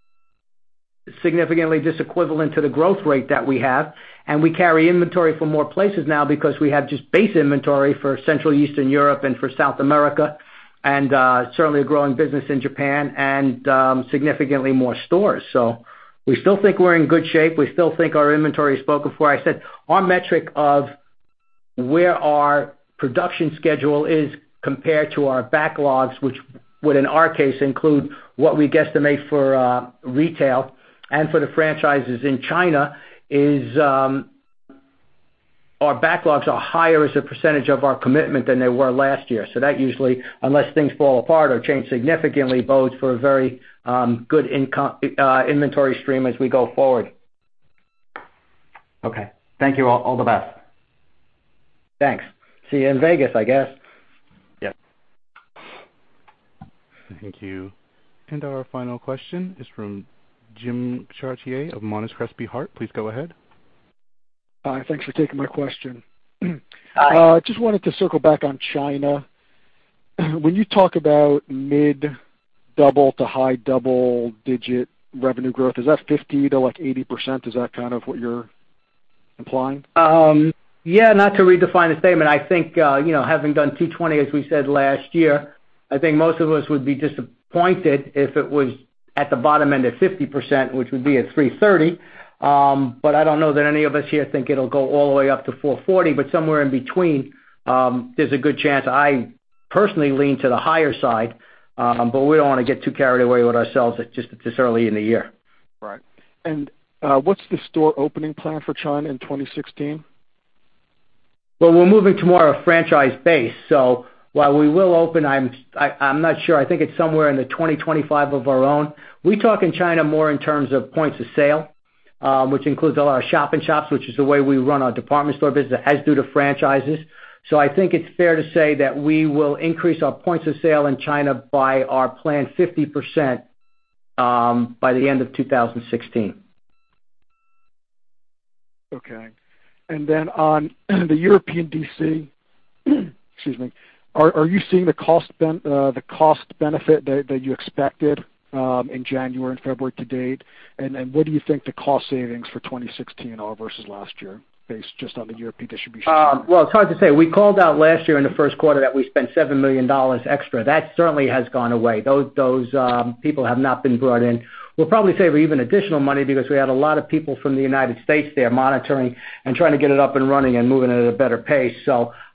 significantly just equivalent to the growth rate that we have. We carry inventory for more places now because we have just base inventory for Central Eastern Europe and for South America, and certainly a growing business in Japan and significantly more stores. We still think we're in good shape. We still think our inventory is spoken for I said. Our metric of where our production schedule is compared to our backlogs, which would, in our case, include what we guesstimate for retail and for the franchises in China, is our backlogs are higher as a percentage of our commitment than they were last year. That usually, unless things fall apart or change significantly, bodes for a very good inventory stream as we go forward. Okay. Thank you. All the best. Thanks. See you in Vegas, I guess. Yes. Thank you. Our final question is from Jim Chartier of Monness, Crespi, Hardt. Please go ahead. Hi. Thanks for taking my question. Hi. Just wanted to circle back on China. When you talk about mid-double to high double-digit revenue growth, is that 50% to like 80%? Is that kind of what you're implying? Yeah, not to redefine the statement. I think, having done $220, as we said last year, I think most of us would be disappointed if it was at the bottom end of 50%, which would be at $330. I don't know that any of us here think it'll go all the way up to $440, but somewhere in between, there's a good chance. I personally lean to the higher side, but we don't want to get too carried away with ourselves just this early in the year. Right. What's the store opening plan for China in 2016? Well, we're moving to more a franchise base. While we will open, I'm not sure. I think it's somewhere in the 20 to 25 of our own. We talk in China more in terms of points of sale, which includes a lot of our shop in shops, which is the way we run our department store business, as do the franchises. I think it's fair to say that we will increase our points of sale in China by our planned 50% by the end of 2016. Okay. On the European DC, excuse me, are you seeing the cost benefit that you expected in January and February to date? What do you think the cost savings for 2016 are versus last year, based just on the European distribution? Well, it's hard to say. We called out last year in the first quarter that we spent $7 million extra. That certainly has gone away. Those people have not been brought in. We'll probably save even additional money because we had a lot of people from the United States there monitoring and trying to get it up and running and moving at a better pace.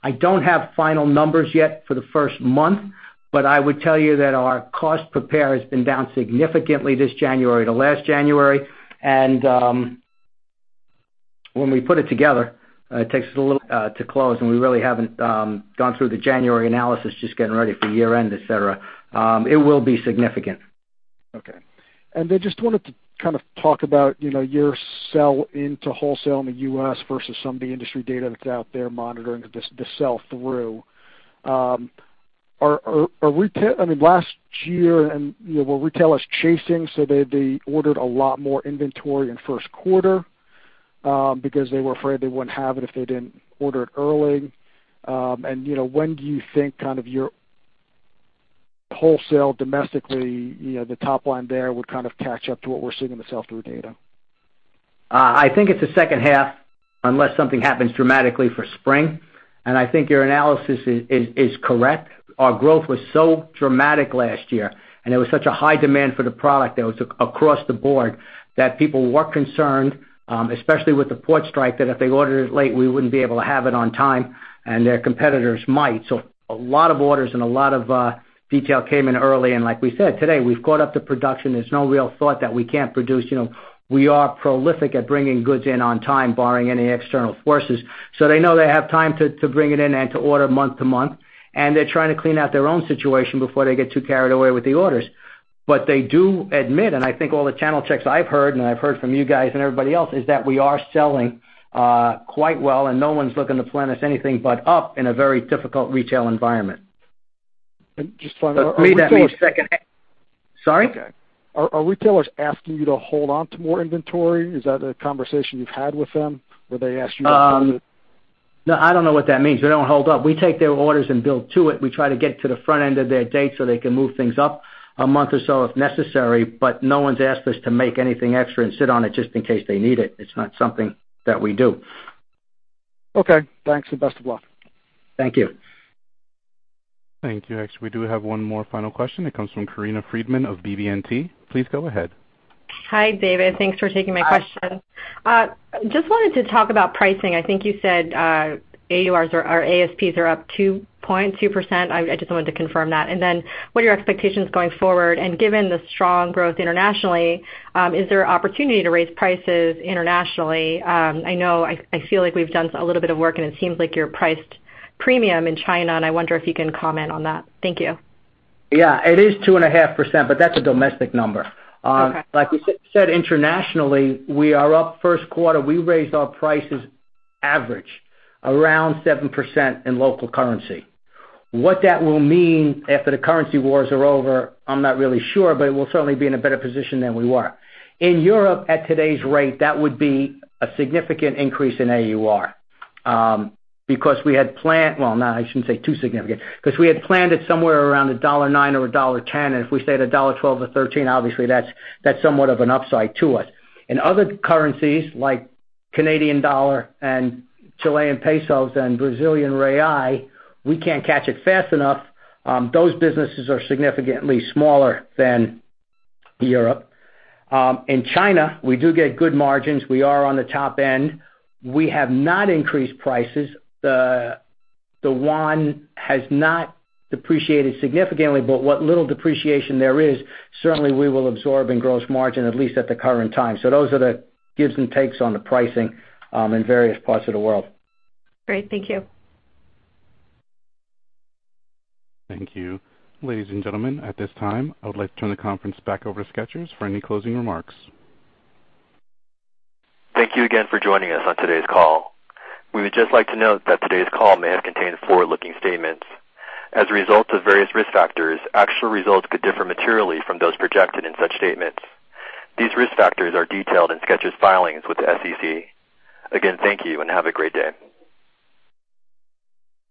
I don't have final numbers yet for the first month, but I would tell you that our cost per pair has been down significantly this January to last January. When we put it together, it takes us a little to close, and we really haven't gone through the January analysis, just getting ready for year-end, et cetera. It will be significant. Okay. Just wanted to kind of talk about your sell into wholesale in the U.S. versus some of the industry data that's out there monitoring the sell-through. Last year, retail is chasing, so they ordered a lot more inventory in first quarter because they were afraid they wouldn't have it if they didn't order it early. When do you think kind of your wholesale domestically, the top line there would kind of catch up to what we're seeing in the sell-through data? I think it's the second half unless something happens dramatically for spring. I think your analysis is correct. Our growth was so dramatic last year, there was such a high demand for the product that was across the board that people were concerned, especially with the port strike, that if they ordered it late, we wouldn't be able to have it on time, and their competitors might. A lot of orders and a lot of detail came in early, and like we said today, we've caught up to production. There's no real thought that we can't produce. We are prolific at bringing goods in on time, barring any external forces. They know they have time to bring it in and to order month to month, and they're trying to clean out their own situation before they get too carried away with the orders. They do admit, and I think all the channel checks I've heard, and I've heard from you guys and everybody else, is that we are selling quite well, and no one's looking to plan us anything but up in a very difficult retail environment. Just final- For me, that means second half. Sorry? Are retailers asking you to hold onto more inventory? Is that a conversation you've had with them where they ask you to do it? No, I don't know what that means. We don't hold up. We take their orders and build to it. We try to get to the front end of their date so they can move things up a month or so if necessary. No one's asked us to make anything extra and sit on it just in case they need it. It's not something that we do. Okay. Thanks. Best of luck. Thank you. Thank you. Actually, we do have one more final question. It comes from Corinna Freedman of BB&T. Please go ahead. Hi, David. Thanks for taking my question. Just wanted to talk about pricing. I think you said AURs or ASPs are up 2.2%. I just wanted to confirm that. Then what are your expectations going forward? Given the strong growth internationally, is there opportunity to raise prices internationally? I know I feel like we've done a little bit of work, and it seems like you're priced premium in China, and I wonder if you can comment on that. Thank you. Yeah, it is 2.5%. That's a domestic number. Okay. Like we said, internationally, we are up first quarter. We raised our prices average around 7% in local currency. What that will mean after the currency wars are over, I'm not really sure, but we'll certainly be in a better position than we were. In Europe at today's rate, that would be a significant increase in AUR because we had planned. Well, no, I shouldn't say too significant because we had planned it somewhere around $1.09 or $1.10. If we stay at $1.12 or $1.13, obviously, that's somewhat of an upside to us. In other currencies like Canadian dollar and Chilean pesos and Brazilian real, we can't catch it fast enough. Those businesses are significantly smaller than Europe. In China, we do get good margins. We are on the top end. We have not increased prices. The yuan has not depreciated significantly, but what little depreciation there is, certainly we will absorb in gross margin, at least at the current time. Those are the gives and takes on the pricing in various parts of the world. Great. Thank you. Thank you. Ladies and gentlemen, at this time, I would like to turn the conference back over to Skechers for any closing remarks. Thank you again for joining us on today's call. We would just like to note that today's call may have contained forward-looking statements. As a result of various risk factors, actual results could differ materially from those projected in such statements. These risk factors are detailed in Skechers' filings with the SEC. Again, thank you, and have a great day.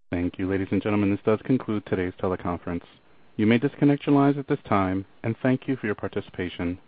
Thank you, ladies and gentlemen. This does conclude today's teleconference. You may disconnect your lines at this time. Thank you for your participation.